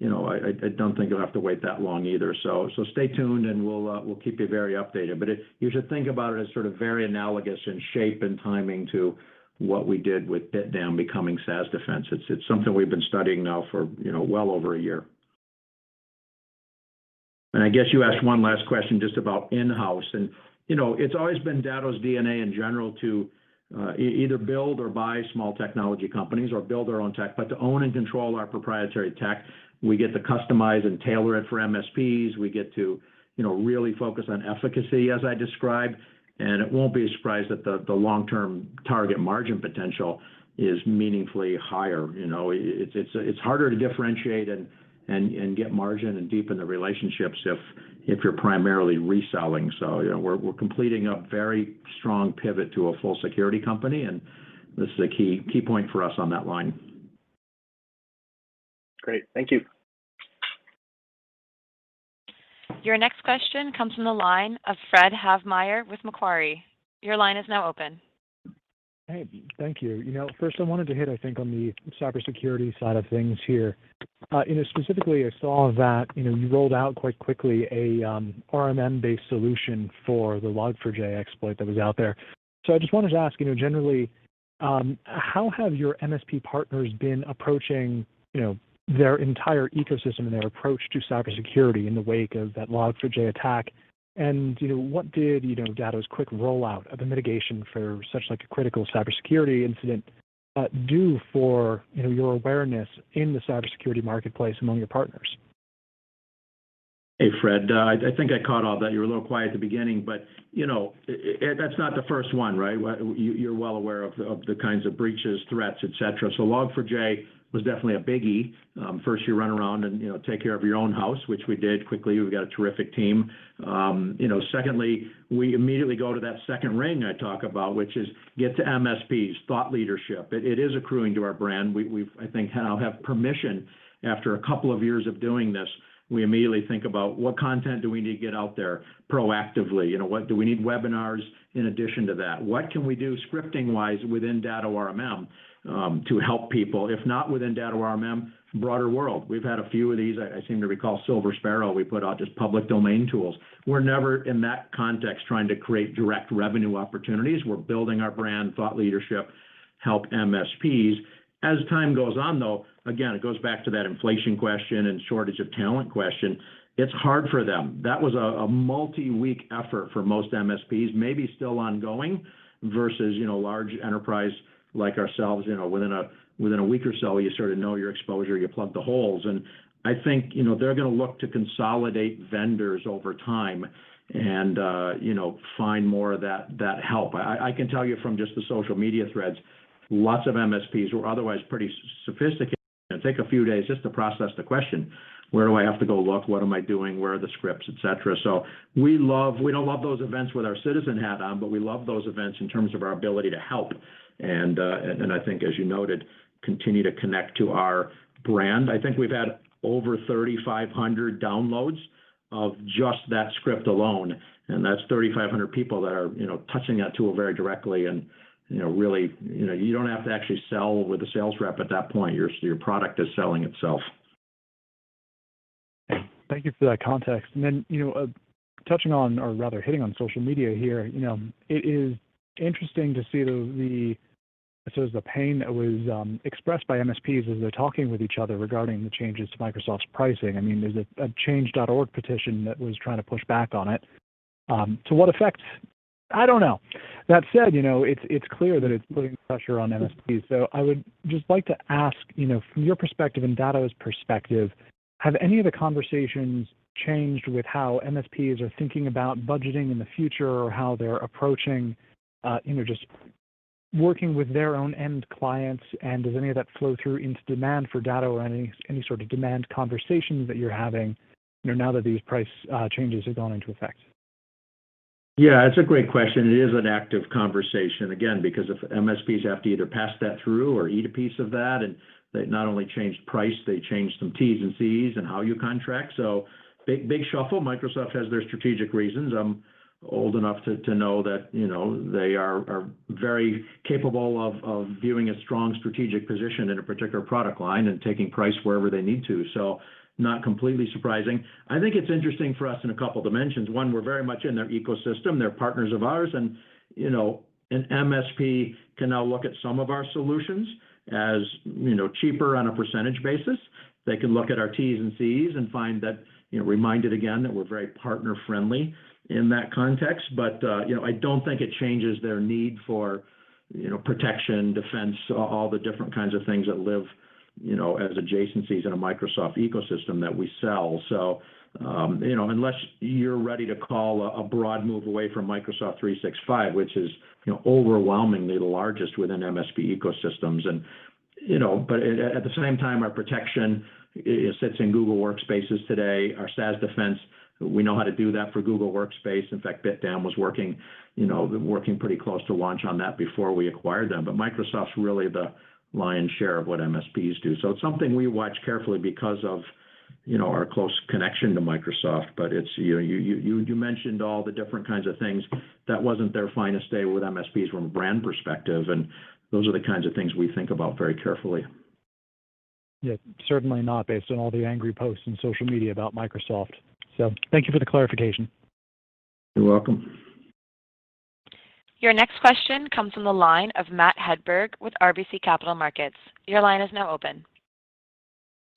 [SPEAKER 3] you know, I don't think you'll have to wait that long either. Stay tuned and we'll keep you very updated. But you should think about it as sort of very analogous in shape and timing to what we did with BitDam becoming SaaS Defense. It's something we've been studying now for you know, well over a year. I guess you asked one last question just about in-house. You know, it's always been Datto's DNA in general to either build or buy small technology companies or build our own tech, but to own and control our proprietary tech. We get to customize and tailor it for MSPs. We get to, you know, really focus on efficacy as I described, and it won't be a surprise that the long-term target margin potential is meaningfully higher. You know, it's harder to differentiate and get margin and deepen the relationships if you're primarily reselling. You know, we're completing a very strong pivot to a full security company, and this is a key point for us on that line.
[SPEAKER 8] Great. Thank you.
[SPEAKER 1] Your next question comes from the line of Fred Havemeyer with Macquarie. Your line is now open.
[SPEAKER 9] Hey, thank you. You know, first I wanted to hit, I think, on the cybersecurity side of things here. You know, specifically I saw that, you know, you rolled out quite quickly a RMM-based solution for the Log4j exploit that was out there. I just wanted to ask, you know, generally, how have your MSP partners been approaching, you know, their entire ecosystem and their approach to cybersecurity in the wake of that Log4j attack? You know, what did, you know, Datto's quick rollout of a mitigation for such like a critical cybersecurity incident do for, you know, your awareness in the cybersecurity marketplace among your partners?
[SPEAKER 3] Hey, Fred. I think I caught all that. You were a little quiet at the beginning, but you know, that's not the first one, right? You're well aware of the kinds of breaches, threats, et cetera. Log4j was definitely a biggie. First you run around and, you know, take care of your own house, which we did quickly. We've got a terrific team. You know, secondly, we immediately go to that second ring I talk about, which is get to MSPs, thought leadership. It is accruing to our brand. I think now have permission after a couple of years of doing this, we immediately think about what content do we need to get out there proactively. You know, what do we need webinars in addition to that? What can we do scripting-wise within Datto RMM to help people? If not within Datto RMM, broader world. We've had a few of these. I seem to recall Silver Sparrow. We put out just public domain tools. We're never in that context trying to create direct revenue opportunities. We're building our brand, thought leadership, help MSPs. As time goes on, though, again, it goes back to that inflation question and shortage of talent question. It's hard for them. That was a multi-week effort for most MSPs, maybe still ongoing, versus, you know, large enterprise like ourselves. You know, within a week or so you sort of know your exposure, you plug the holes. I think, you know, they're gonna look to consolidate vendors over time and, you know, find more of that help. I can tell you from just the social media threads, lots of MSPs who are otherwise pretty sophisticated, take a few days just to process the question, "Where do I have to go look? What am I doing? Where are the scripts," et cetera. We don't love those events with our citizen hat on, but we love those events in terms of our ability to help, and I think as you noted, continue to connect to our brand. I think we've had over 3,500 downloads of just that script alone, and that's 3,500 people that are, you know, touching that tool very directly and, you know, really. You know, you don't have to actually sell with a sales rep at that point. Your product is selling itself.
[SPEAKER 9] Thank you for that context. Then, you know, touching on, or rather hitting on social media here, you know, it is interesting to see the pain that was expressed by MSPs as they're talking with each other regarding the changes to Microsoft's pricing. I mean, there's a Change.org petition that was trying to push back on it. To what effect? I don't know. That said, you know, it's clear that it's putting pressure on MSPs. I would just like to ask, you know, from your perspective and Datto's perspective, have any of the conversations changed with how MSPs are thinking about budgeting in the future or how they're approaching, you know, just working with their own end clients? Does any of that flow through into demand for Datto or any sort of demand conversations that you're having, you know, now that these price changes have gone into effect?
[SPEAKER 3] Yeah, it's a great question. It is an active conversation, again, because if MSPs have to either pass that through or eat a piece of that, and they not only changed price, they changed some Ts and Cs and how you contract. Big, big shuffle. Microsoft has their strategic reasons. I'm old enough to know that, you know, they are very capable of viewing a strong strategic position in a particular product line and taking price wherever they need to. Not completely surprising. I think it's interesting for us in a couple dimensions. One, we're very much in their ecosystem. They're partners of ours and, you know, an MSP can now look at some of our solutions as, you know, cheaper on a percentage basis. They can look at our Ts and Cs and find that, you know, reminded again that we're very partner-friendly in that context. You know, I don't think it changes their need for, you know, protection, defense, all the different kinds of things that live, you know, as adjacencies in a Microsoft ecosystem that we sell. You know, unless you're ready to call a broad move away from Microsoft 365, which is, you know, overwhelmingly the largest within MSP ecosystems and, you know. At the same time, our protection sits in Google Workspace today. Our SaaS Defense, we know how to do that for Google Workspace. In fact, BitDam was working pretty close to launch on that before we acquired them. Microsoft's really the lion's share of what MSPs do. It's something we watch carefully because of, you know, our close connection to Microsoft, but it's, you know. You mentioned all the different kinds of things. That wasn't their finest day with MSPs from a brand perspective, and those are the kinds of things we think about very carefully.
[SPEAKER 9] Yeah, certainly not based on all the angry posts in social media about Microsoft. Thank you for the clarification.
[SPEAKER 3] You're welcome.
[SPEAKER 1] Your next question comes from the line of Matt Hedberg with RBC Capital Markets. Your line is now open.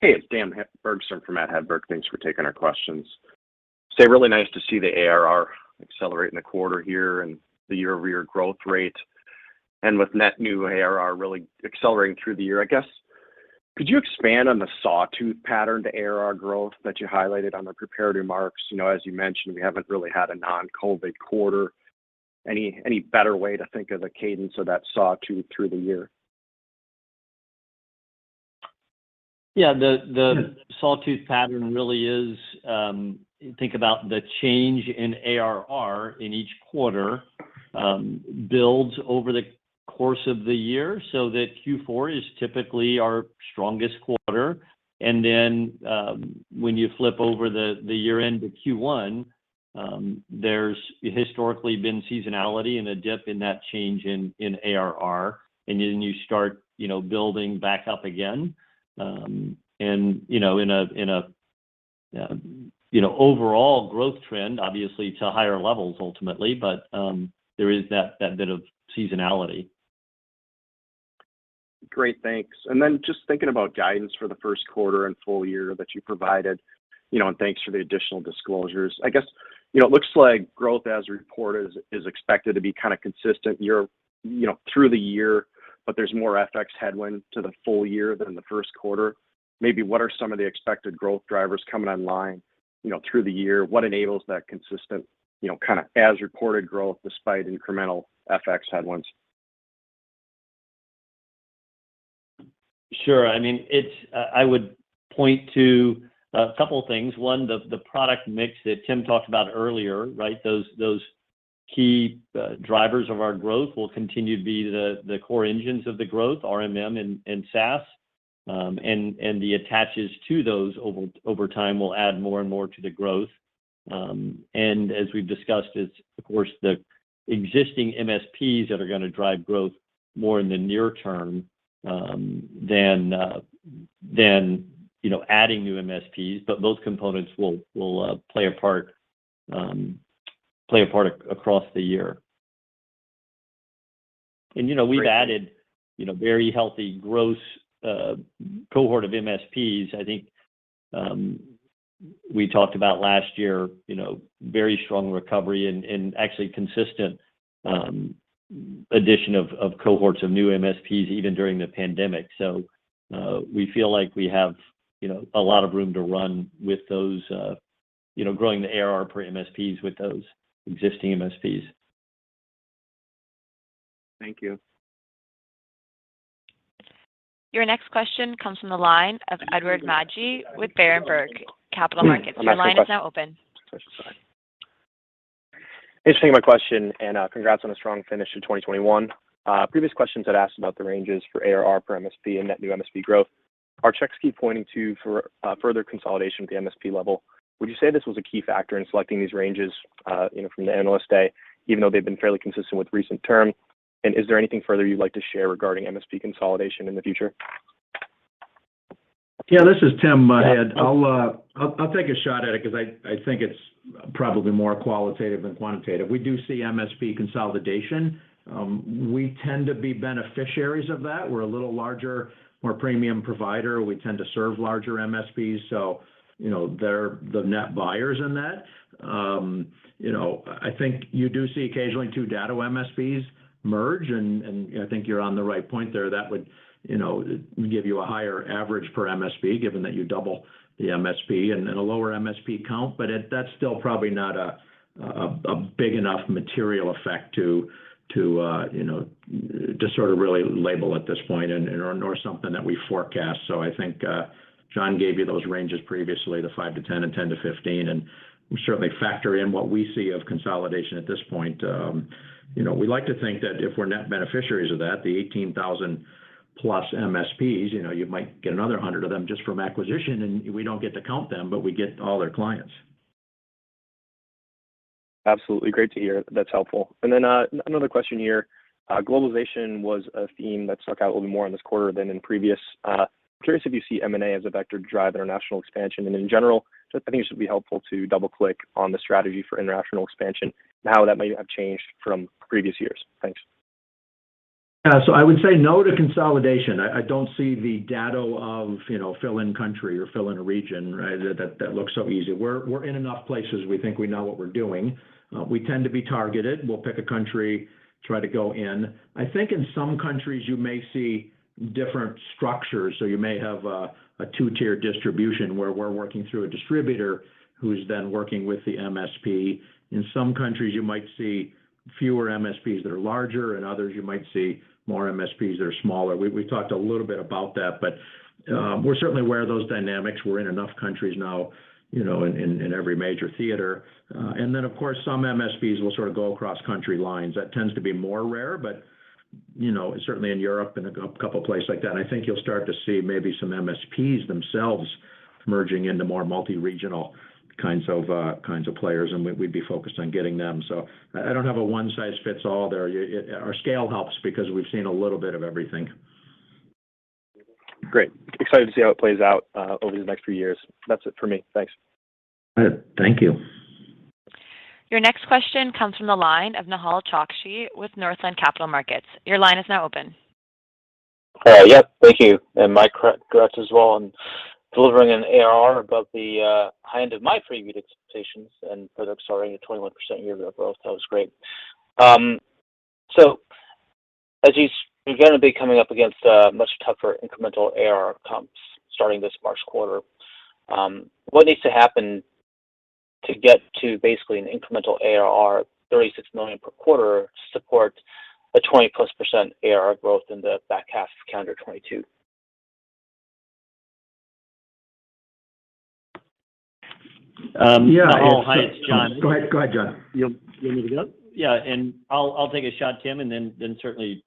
[SPEAKER 10] Hey, it's Dan Bergstrom for Matt Hedberg. Thanks for taking our questions. Really nice to see the ARR accelerate in the quarter here and the year-over-year growth rate. With net new ARR really accelerating through the year, I guess, could you expand on the sawtooth pattern to ARR growth that you highlighted on the prepared remarks? You know, as you mentioned, we haven't really had a non-COVID quarter. Any better way to think of the cadence of that sawtooth through the year?
[SPEAKER 4] Yeah. The sawtooth pattern really is, think about the change in ARR in each quarter, builds over the course of the year, so that Q4 is typically our strongest quarter. When you flip over the year-end to Q1, there's historically been seasonality and a dip in that change in ARR, and then you start, you know, building back up again, and, you know, in a overall growth trend, obviously to higher levels ultimately, but there is that bit of seasonality.
[SPEAKER 10] Great. Thanks. Just thinking about guidance for the first quarter and full year that you provided, you know, and thanks for the additional disclosures. I guess, you know, it looks like growth as reported is expected to be kind of consistent year, you know, through the year, but there's more FX headwind to the full year than the first quarter. Maybe what are some of the expected growth drivers coming online, you know, through the year? What enables that consistent, you know, kind of as reported growth despite incremental FX headwinds?
[SPEAKER 4] Sure. I mean, I would point to a couple of things. One, the product mix that Tim talked about earlier, right? Those key drivers of our growth will continue to be the core engines of the growth, RMM and SaaS. The attachments to those over time will add more and more to the growth. As we've discussed, it's of course the existing MSPs that are gonna drive growth more in the near term than you know, adding new MSPs. Those components will play a part across the year. You know, we've added, you know, very healthy growth cohort of MSPs. I think we talked about last year, you know, very strong recovery and actually consistent addition of cohorts of new MSPs even during the pandemic. We feel like we have, you know, a lot of room to run with those, you know, growing the ARR per MSPs with those existing MSPs.
[SPEAKER 10] Thank you.
[SPEAKER 1] Your next question comes from the line of Edward Magi with Berenberg Capital Markets. Your line is now open.
[SPEAKER 11] Thanks for taking my question, and congrats on a strong finish to 2021. Previous questions had asked about the ranges for ARR per MSP and net new MSP growth. Our checks keep pointing to further consolidation at the MSP level. Would you say this was a key factor in selecting these ranges, you know, from the Analyst Day, even though they've been fairly consistent with recent term? Is there anything further you'd like to share regarding MSP consolidation in the future?
[SPEAKER 3] Yeah. This is Tim Weller. I'll take a shot at it 'cause I think it's probably more qualitative than quantitative. We do see MSP consolidation. We tend to be beneficiaries of that. We're a little larger, more premium provider. We tend to serve larger MSPs, so, you know, they're the net buyers in that. You know, I think you do see occasionally two Datto MSPs merge, and I think you're on the right point there. That would, you know, give you a higher average per MSP, given that you double the MSP and then a lower MSP count. But that's still probably not a big enough material effect to, you know, to sort of really label at this point and or something that we forecast. I think John gave you those ranges previously, the 5-10 and 10-15, and we certainly factor in what we see of consolidation at this point. You know, we like to think that if we're net beneficiaries of that, the 18,000+ MSPs, you know, you might get another 100 of them just from acquisition, and we don't get to count them, but we get all their clients.
[SPEAKER 11] Absolutely. Great to hear. That's helpful. Another question here. Globalization was a theme that stuck out a little more in this quarter than in previous. Curious if you see M&A as a vector to drive international expansion. In general, just I think it should be helpful to double-click on the strategy for international expansion and how that might have changed from previous years. Thanks.
[SPEAKER 3] I would say no to consolidation. I don't see the Datto of, you know, fill in country or fill in a region, right, that looks so easy. We're in enough places. We think we know what we're doing. We tend to be targeted. We'll pick a country, try to go in. I think in some countries you may see different structures. You may have a two-tier distribution where we're working through a distributor who's then working with the MSP. In some countries, you might see fewer MSPs that are larger, and others you might see more MSPs that are smaller. We talked a little bit about that, but we're certainly aware of those dynamics. We're in enough countries now, you know, in every major theater. Of course, some MSPs will sort of go across country lines. That tends to be more rare, but you know, certainly in Europe and a couple places like that, I think you'll start to see maybe some MSPs themselves merging into more multi-regional kinds of players, and we'd be focused on getting them. I don't have a one size fits all there. Our scale helps because we've seen a little bit of everything.
[SPEAKER 11] Great. Excited to see how it plays out over the next few years. That's it for me. Thanks.
[SPEAKER 3] All right. Thank you.
[SPEAKER 1] Your next question comes from the line of Nehal Chokshi with Northland Capital Markets. Your line is now open.
[SPEAKER 12] Yep. Thank you. My congrats as well on delivering an ARR above the high end of my pre-read expectations and product staring at 21% year-over-year growth. That was great. As you're gonna be coming up against a much tougher incremental ARR comps starting this March quarter. What needs to happen to get to basically an incremental ARR $36 million per quarter to support a 20%+ ARR growth in the back half of calendar 2022?
[SPEAKER 3] Yeah.
[SPEAKER 4] Nehal. Hi, it's John.
[SPEAKER 3] Go ahead, John. You want me to go?
[SPEAKER 4] Yeah. I'll take a shot, Tim, and then certainly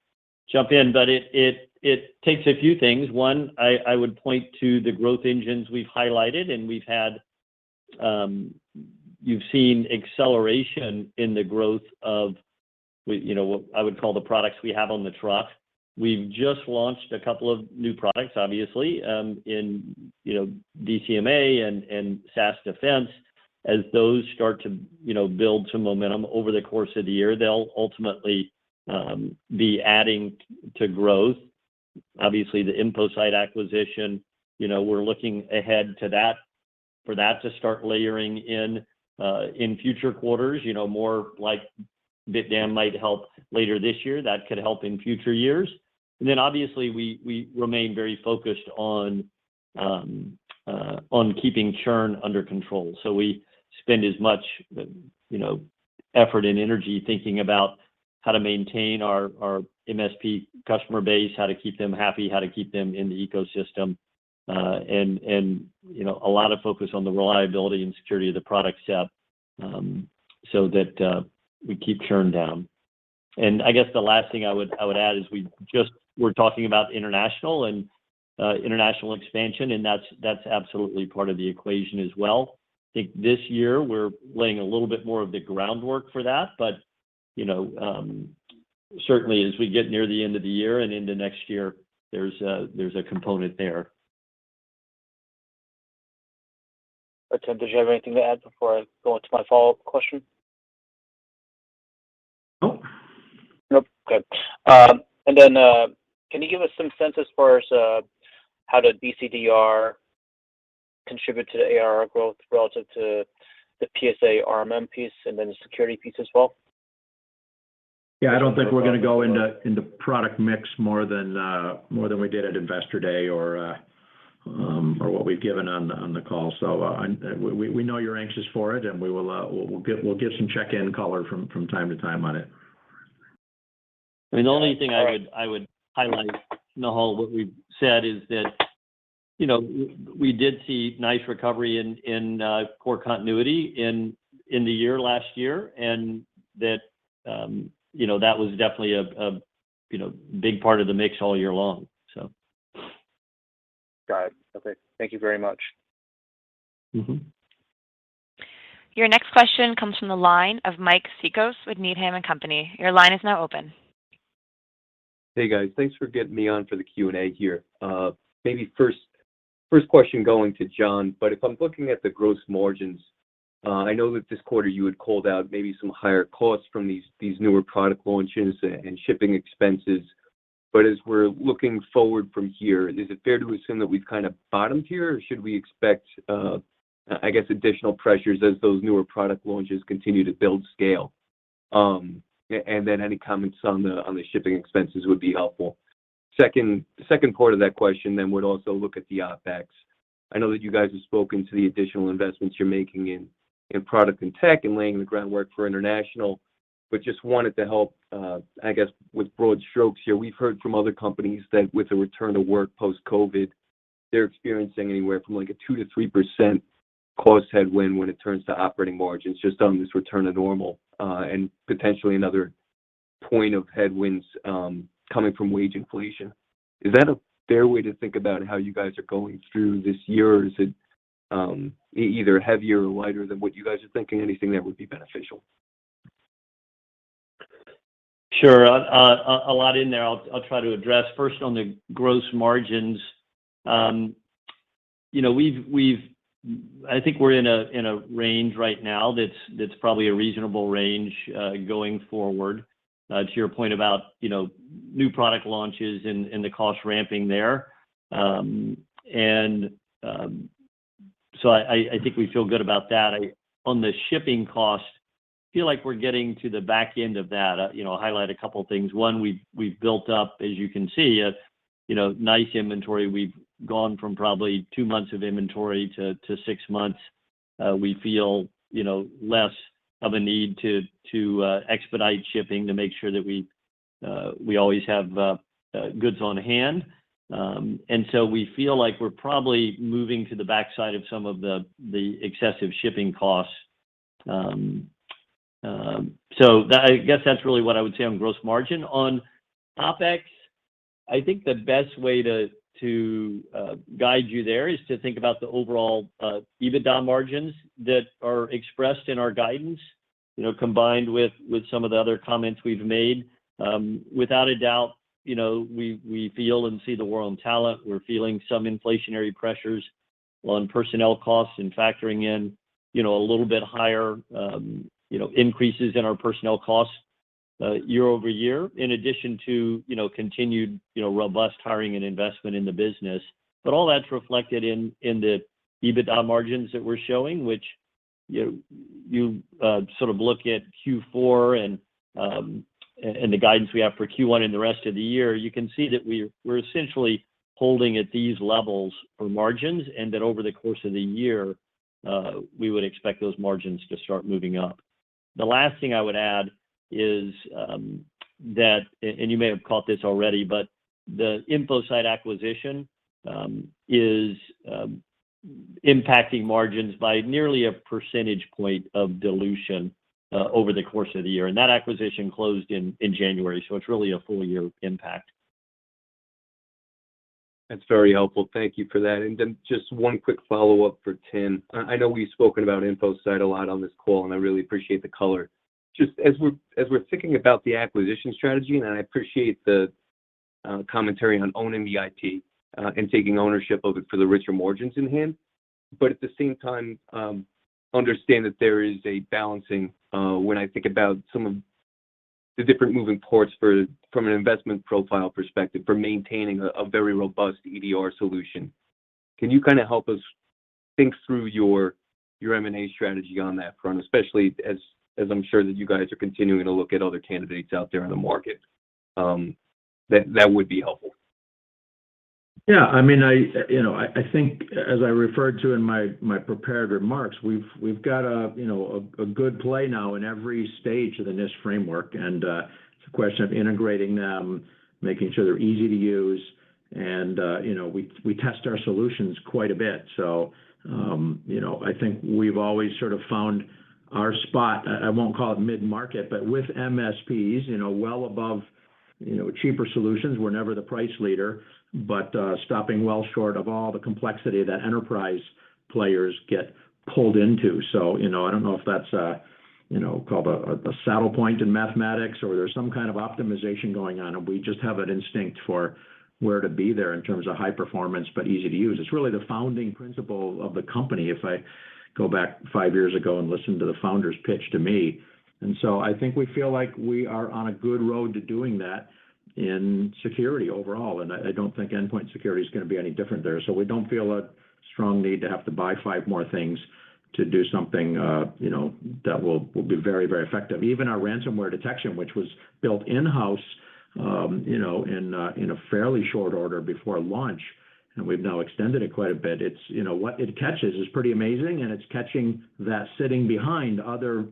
[SPEAKER 4] jump in. It takes a few things. I would point to the growth engines we've highlighted, and we've had, you've seen acceleration in the growth of you know, what I would call the products we have on the truck. We've just launched a couple of new products, obviously, in you know, DCMA and SaaS Defense. As those start to you know, build to momentum over the course of the year, they'll ultimately be adding to growth. Obviously, the Infocyte acquisition, you know, we're looking ahead to that for that to start layering in in future quarters. You know, more like BitDam might help later this year. That could help in future years. And then obviously, we remain very focused on on keeping churn under control. We spend as much, you know, effort and energy thinking about how to maintain our MSP customer base, how to keep them happy, how to keep them in the ecosystem, and, you know, a lot of focus on the reliability and security of the product set, so that we keep churn down. I guess the last thing I would add is we just were talking about international expansion, and that's absolutely part of the equation as well. I think this year we're laying a little bit more of the groundwork for that. You know, certainly as we get near the end of the year and into next year, there's a component there.
[SPEAKER 12] Tim, did you have anything to add before I go into my follow-up question?
[SPEAKER 3] Nope.
[SPEAKER 12] Nope. Okay. Can you give us some sense as far as how did BCDR contribute to the ARR growth relative to the PSA RMM piece and then the security piece as well?
[SPEAKER 3] Yeah, I don't think we're gonna go into product mix more than we did at Investor Day or what we've given on the call. We know you're anxious for it, and we'll give some check-in color from time to time on it.
[SPEAKER 4] I mean, the only thing I would highlight, Nehal, what we've said is that, you know, we did see nice recovery in core continuity in the year last year, and that, you know, that was definitely a you know, big part of the mix all year long, so.
[SPEAKER 12] Got it. Okay. Thank you very much.
[SPEAKER 4] Mm-hmm.
[SPEAKER 1] Your next question comes from the line of Mike Cikos with Needham & Company. Your line is now open.
[SPEAKER 13] Hey, guys. Thanks for getting me on for the Q&A here. Maybe first question going to John. If I'm looking at the gross margins, I know that this quarter you had called out maybe some higher costs from these newer product launches and shipping expenses. As we're looking forward from here, is it fair to assume that we've kind of bottomed here, or should we expect, I guess, additional pressures as those newer product launches continue to build scale? And then any comments on the shipping expenses would be helpful. Second part of that question then would also look at the OpEx. I know that you guys have spoken to the additional investments you're making in product and tech and laying the groundwork for international. Just wanted to help, I guess, with broad strokes here. We've heard from other companies that with the return to work post-COVID, they're experiencing anywhere from, like, a 2%-3% cost headwind when it turns to operating margins just on this return to normal, and potentially another point of headwinds coming from wage inflation. Is that a fair way to think about how you guys are going through this year, or is it either heavier or lighter than what you guys are thinking? Anything that would be beneficial.
[SPEAKER 4] Sure. A lot in there. I'll try to address first on the gross margins. You know, we've. I think we're in a range right now that's probably a reasonable range, going forward, to your point about, you know, new product launches and the cost ramping there. I think we feel good about that. On the shipping cost, I feel like we're getting to the back end of that. You know, highlight a couple things. One, we've built up, as you can see, you know, a nice inventory. We've gone from probably two months of inventory to six months. We feel, you know, less of a need to expedite shipping to make sure that we always have goods on hand. We feel like we're probably moving to the backside of some of the excessive shipping costs. I guess that's really what I would say on gross margin. On OpEx, I think the best way to guide you there is to think about the overall EBITDA margins that are expressed in our guidance. You know, combined with some of the other comments we've made, without a doubt, you know, we feel and see the world in talent. We're feeling some inflationary pressures on personnel costs and factoring in, you know, a little bit higher, you know, increases in our personnel costs, year over year, in addition to, you know, continued, you know, robust hiring and investment in the business. All that's reflected in the EBITDA margins that we're showing, which, you know, you sort of look at Q4 and the guidance we have for Q1 and the rest of the year. You can see that we're essentially holding at these levels for margins and that over the course of the year, we would expect those margins to start moving up. The last thing I would add is that you may have caught this already, but the Infocyte acquisition is impacting margins by nearly 1 percentage point of dilution over the course of the year. That acquisition closed in January, so it's really a full year impact.
[SPEAKER 13] That's very helpful. Thank you for that. Just one quick follow-up for Tim. I know we've spoken about Infocyte a lot on this call, and I really appreciate the color. Just as we're thinking about the acquisition strategy, and I appreciate the commentary on owning the IT and taking ownership of it for the richer margins in hand. But at the same time, understand that there is a balancing when I think about some of the different moving parts from an investment profile perspective for maintaining a very robust EDR solution. Can you kinda help us think through your M&A strategy on that front, especially as I'm sure that you guys are continuing to look at other candidates out there in the market? That would be helpful.
[SPEAKER 3] Yeah. I mean, you know, I think as I referred to in my prepared remarks, we've got a, you know, a good play now in every stage of the NIST framework. It's a question of integrating them, making sure they're easy to use and, you know, we test our solutions quite a bit. You know, I think we've always sort of found our spot, I won't call it mid-market, but with MSPs, you know, well above, you know, cheaper solutions. We're never the price leader, but stopping well short of all the complexity that enterprise players get pulled into. You know, I don't know if that's called a saddle point in mathematics or there's some kind of optimization going on, and we just have an instinct for where to be there in terms of high performance, but easy to use. It's really the founding principle of the company. If I go back 5 years ago and listen to the founder's pitch to me. I think we feel like we are on a good road to doing that in security overall, and I don't think endpoint security is gonna be any different there. We don't feel a strong need to have to buy 5 more things to do something, you know, that will be very effective. Even our ransomware detection, which was built in-house, you know, in a fairly short order before launch, and we've now extended it quite a bit. It's you know what it catches is pretty amazing, and it's catching that sitting behind other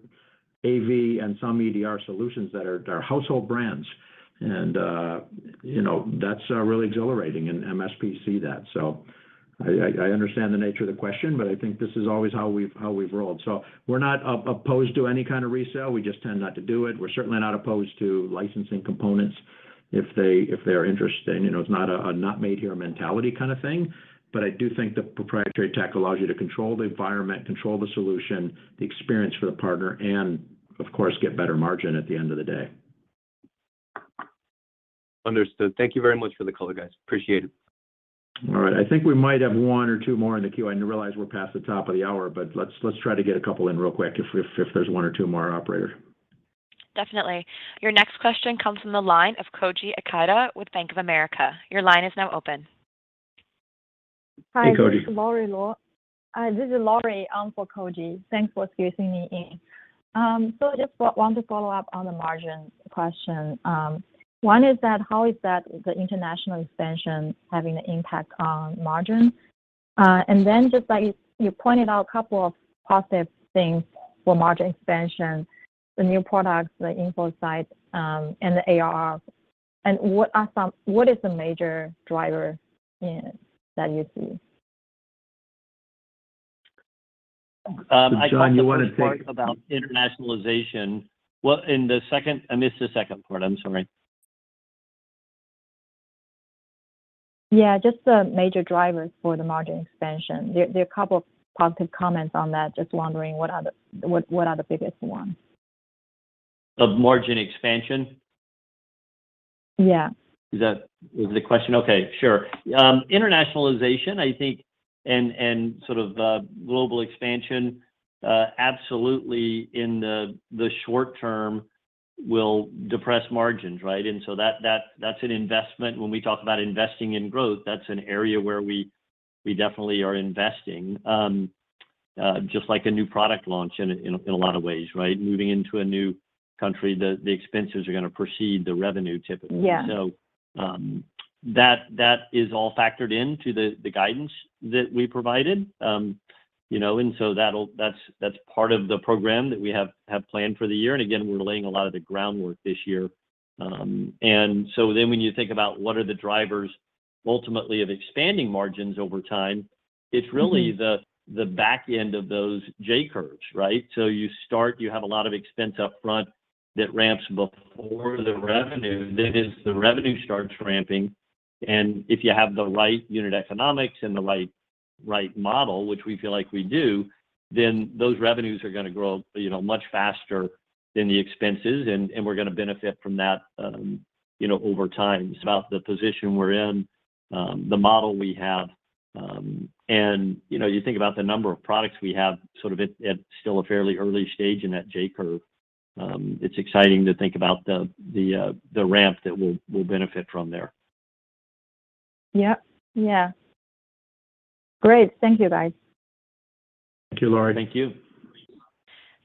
[SPEAKER 3] AV and some EDR solutions that are household brands. You know, that's really exhilarating, and MSP see that. I understand the nature of the question, but I think this is always how we've rolled. We're not opposed to any kind of resale. We just tend not to do it. We're certainly not opposed to licensing components if they're interesting. You know, it's not a not made here mentality kind of thing. I do think the proprietary tech allows you to control the environment, control the solution, the experience for the partner, and of course, get better margin at the end of the day.
[SPEAKER 13] Understood. Thank you very much for the color, guys. Appreciate it.
[SPEAKER 3] All right. I think we might have one or two more in the queue. I realize we're past the top of the hour, but let's try to get a couple in real quick if there's one or two more, operator.
[SPEAKER 1] Definitely. Your next question comes from the line of Koji Ikeda with Bank of America. Your line is now open.
[SPEAKER 3] Hey, Koji.
[SPEAKER 14] Hi, this is Lory Luo for Koji. Thanks For squeezing me in. I just want to follow up on the margin question. One is, how is the international expansion having an impact on margin? Then just that you pointed out a couple of positive things for margin expansion, the new products, the Infocyte, and the ARR. What is the major driver in that you see?
[SPEAKER 4] I caught the first part.
[SPEAKER 3] John, you wanna take-
[SPEAKER 4] About internationalization. I missed the second part. I'm sorry.
[SPEAKER 14] Yeah, just the major drivers for the margin expansion. There are a couple of positive comments on that. Just wondering what are the biggest ones.
[SPEAKER 4] Of margin expansion?
[SPEAKER 14] Yeah.
[SPEAKER 4] Is that the question? Okay. Sure. Internationalization, I think, and sort of global expansion absolutely in the short term will depress margins, right? That's an investment. When we talk about investing in growth, that's an area where we definitely are investing just like a new product launch in a lot of ways, right? Moving into a new country, the expenses are gonna precede the revenue, typically.
[SPEAKER 14] Yeah.
[SPEAKER 4] That is all factored into the guidance that we provided. You know, that's part of the program that we have planned for the year. Again, we're laying a lot of the groundwork this year. When you think about what are the drivers ultimately of expanding margins over time, it's really
[SPEAKER 14] Mm-hmm
[SPEAKER 4] The back end of those J-curves, right? You start, you have a lot of expense up front that ramps before the revenue. Then as the revenue starts ramping, and if you have the right unit economics and the right model, which we feel like we do, then those revenues are gonna grow, you know, much faster than the expenses, and we're gonna benefit from that, you know, over time. About the position we're in, the model we have, and, you know, you think about the number of products we have sort of at still a fairly early stage in that J-curve. It's exciting to think about the ramp that we'll benefit from there.
[SPEAKER 14] Yeah. Yeah. Great. Thank you, guys.
[SPEAKER 3] Thank you, Lory.
[SPEAKER 4] Thank you.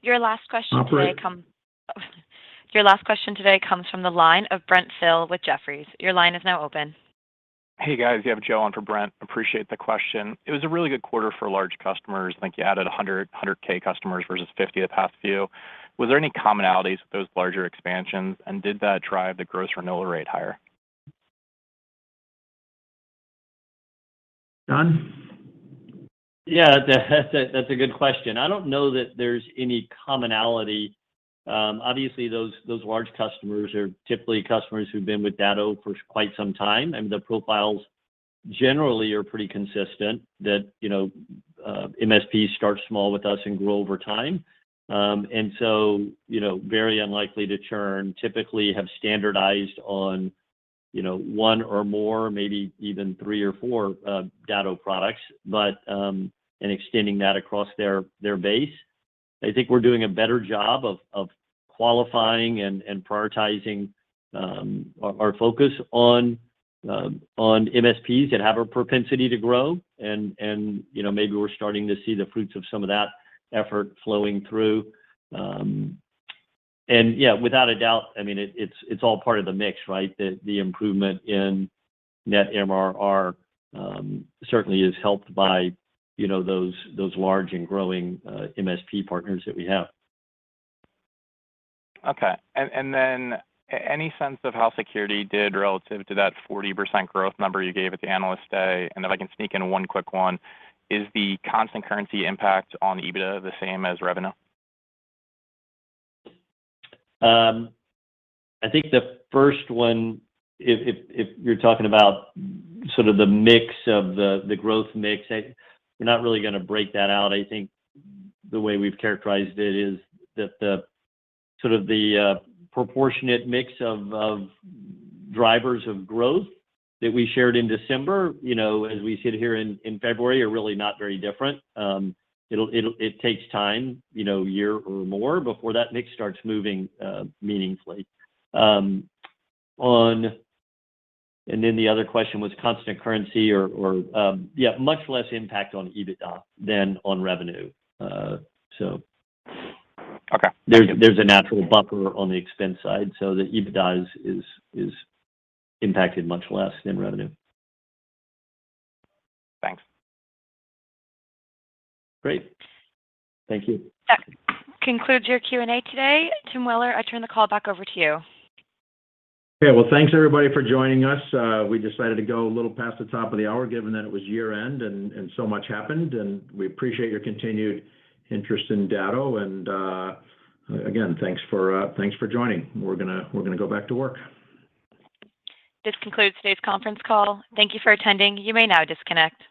[SPEAKER 1] Your last question today.
[SPEAKER 3] Operator.
[SPEAKER 1] Your last question today comes from the line of Brent Thill with Jefferies. Your line is now open.
[SPEAKER 15] Hey, guys. You have Joe on for Brent. Appreciate the question. It was a really good quarter for large customers. I think you added 100K customers versus 50 the past few. Was there any commonalities with those larger expansions, and did that drive the gross renewal rate higher?
[SPEAKER 3] Don?
[SPEAKER 4] Yeah. That's a good question. I don't know that there's any commonality. Obviously, those large customers are typically customers who've been with Datto for quite some time, and the profiles generally are pretty consistent that, you know, MSPs start small with us and grow over time. You know, very unlikely to churn, typically have standardized on, you know, one or more, maybe even three or four, Datto products but extending that across their base. I think we're doing a better job of qualifying and prioritizing our focus on MSPs that have a propensity to grow and, you know, maybe we're starting to see the fruits of some of that effort flowing through. Without a doubt, I mean, it's all part of the mix, right? The improvement in net MRR certainly is helped by, you know, those large and growing MSP partners that we have.
[SPEAKER 15] Okay. Any sense of how security did relative to that 40% growth number you gave at the Analyst Day? If I can sneak in one quick one, is the constant currency impact on EBITDA the same as revenue?
[SPEAKER 4] I think the first one, if you're talking about sort of the mix of the growth mix, we're not really gonna break that out. I think the way we've characterized it is that the sort of proportionate mix of drivers of growth that we shared in December, you know, as we sit here in February, are really not very different. It takes time, you know, a year or more before that mix starts moving meaningfully. The other question was constant currency or yeah, much less impact on EBITDA than on revenue.
[SPEAKER 15] Okay.
[SPEAKER 4] There's a natural buffer on the expense side, so the EBITDA is impacted much less than revenue.
[SPEAKER 15] Thanks.
[SPEAKER 4] Great. Thank you.
[SPEAKER 1] That concludes your Q&A today. Tim Weller, I turn the call back over to you.
[SPEAKER 3] Okay. Well, thanks everybody for joining us. We decided to go a little past the top of the hour given that it was year-end and so much happened, and we appreciate your continued interest in Datto. Again, thanks for joining. We're gonna go back to work.
[SPEAKER 1] This concludes today's conference call. Thank you for attending. You may now disconnect.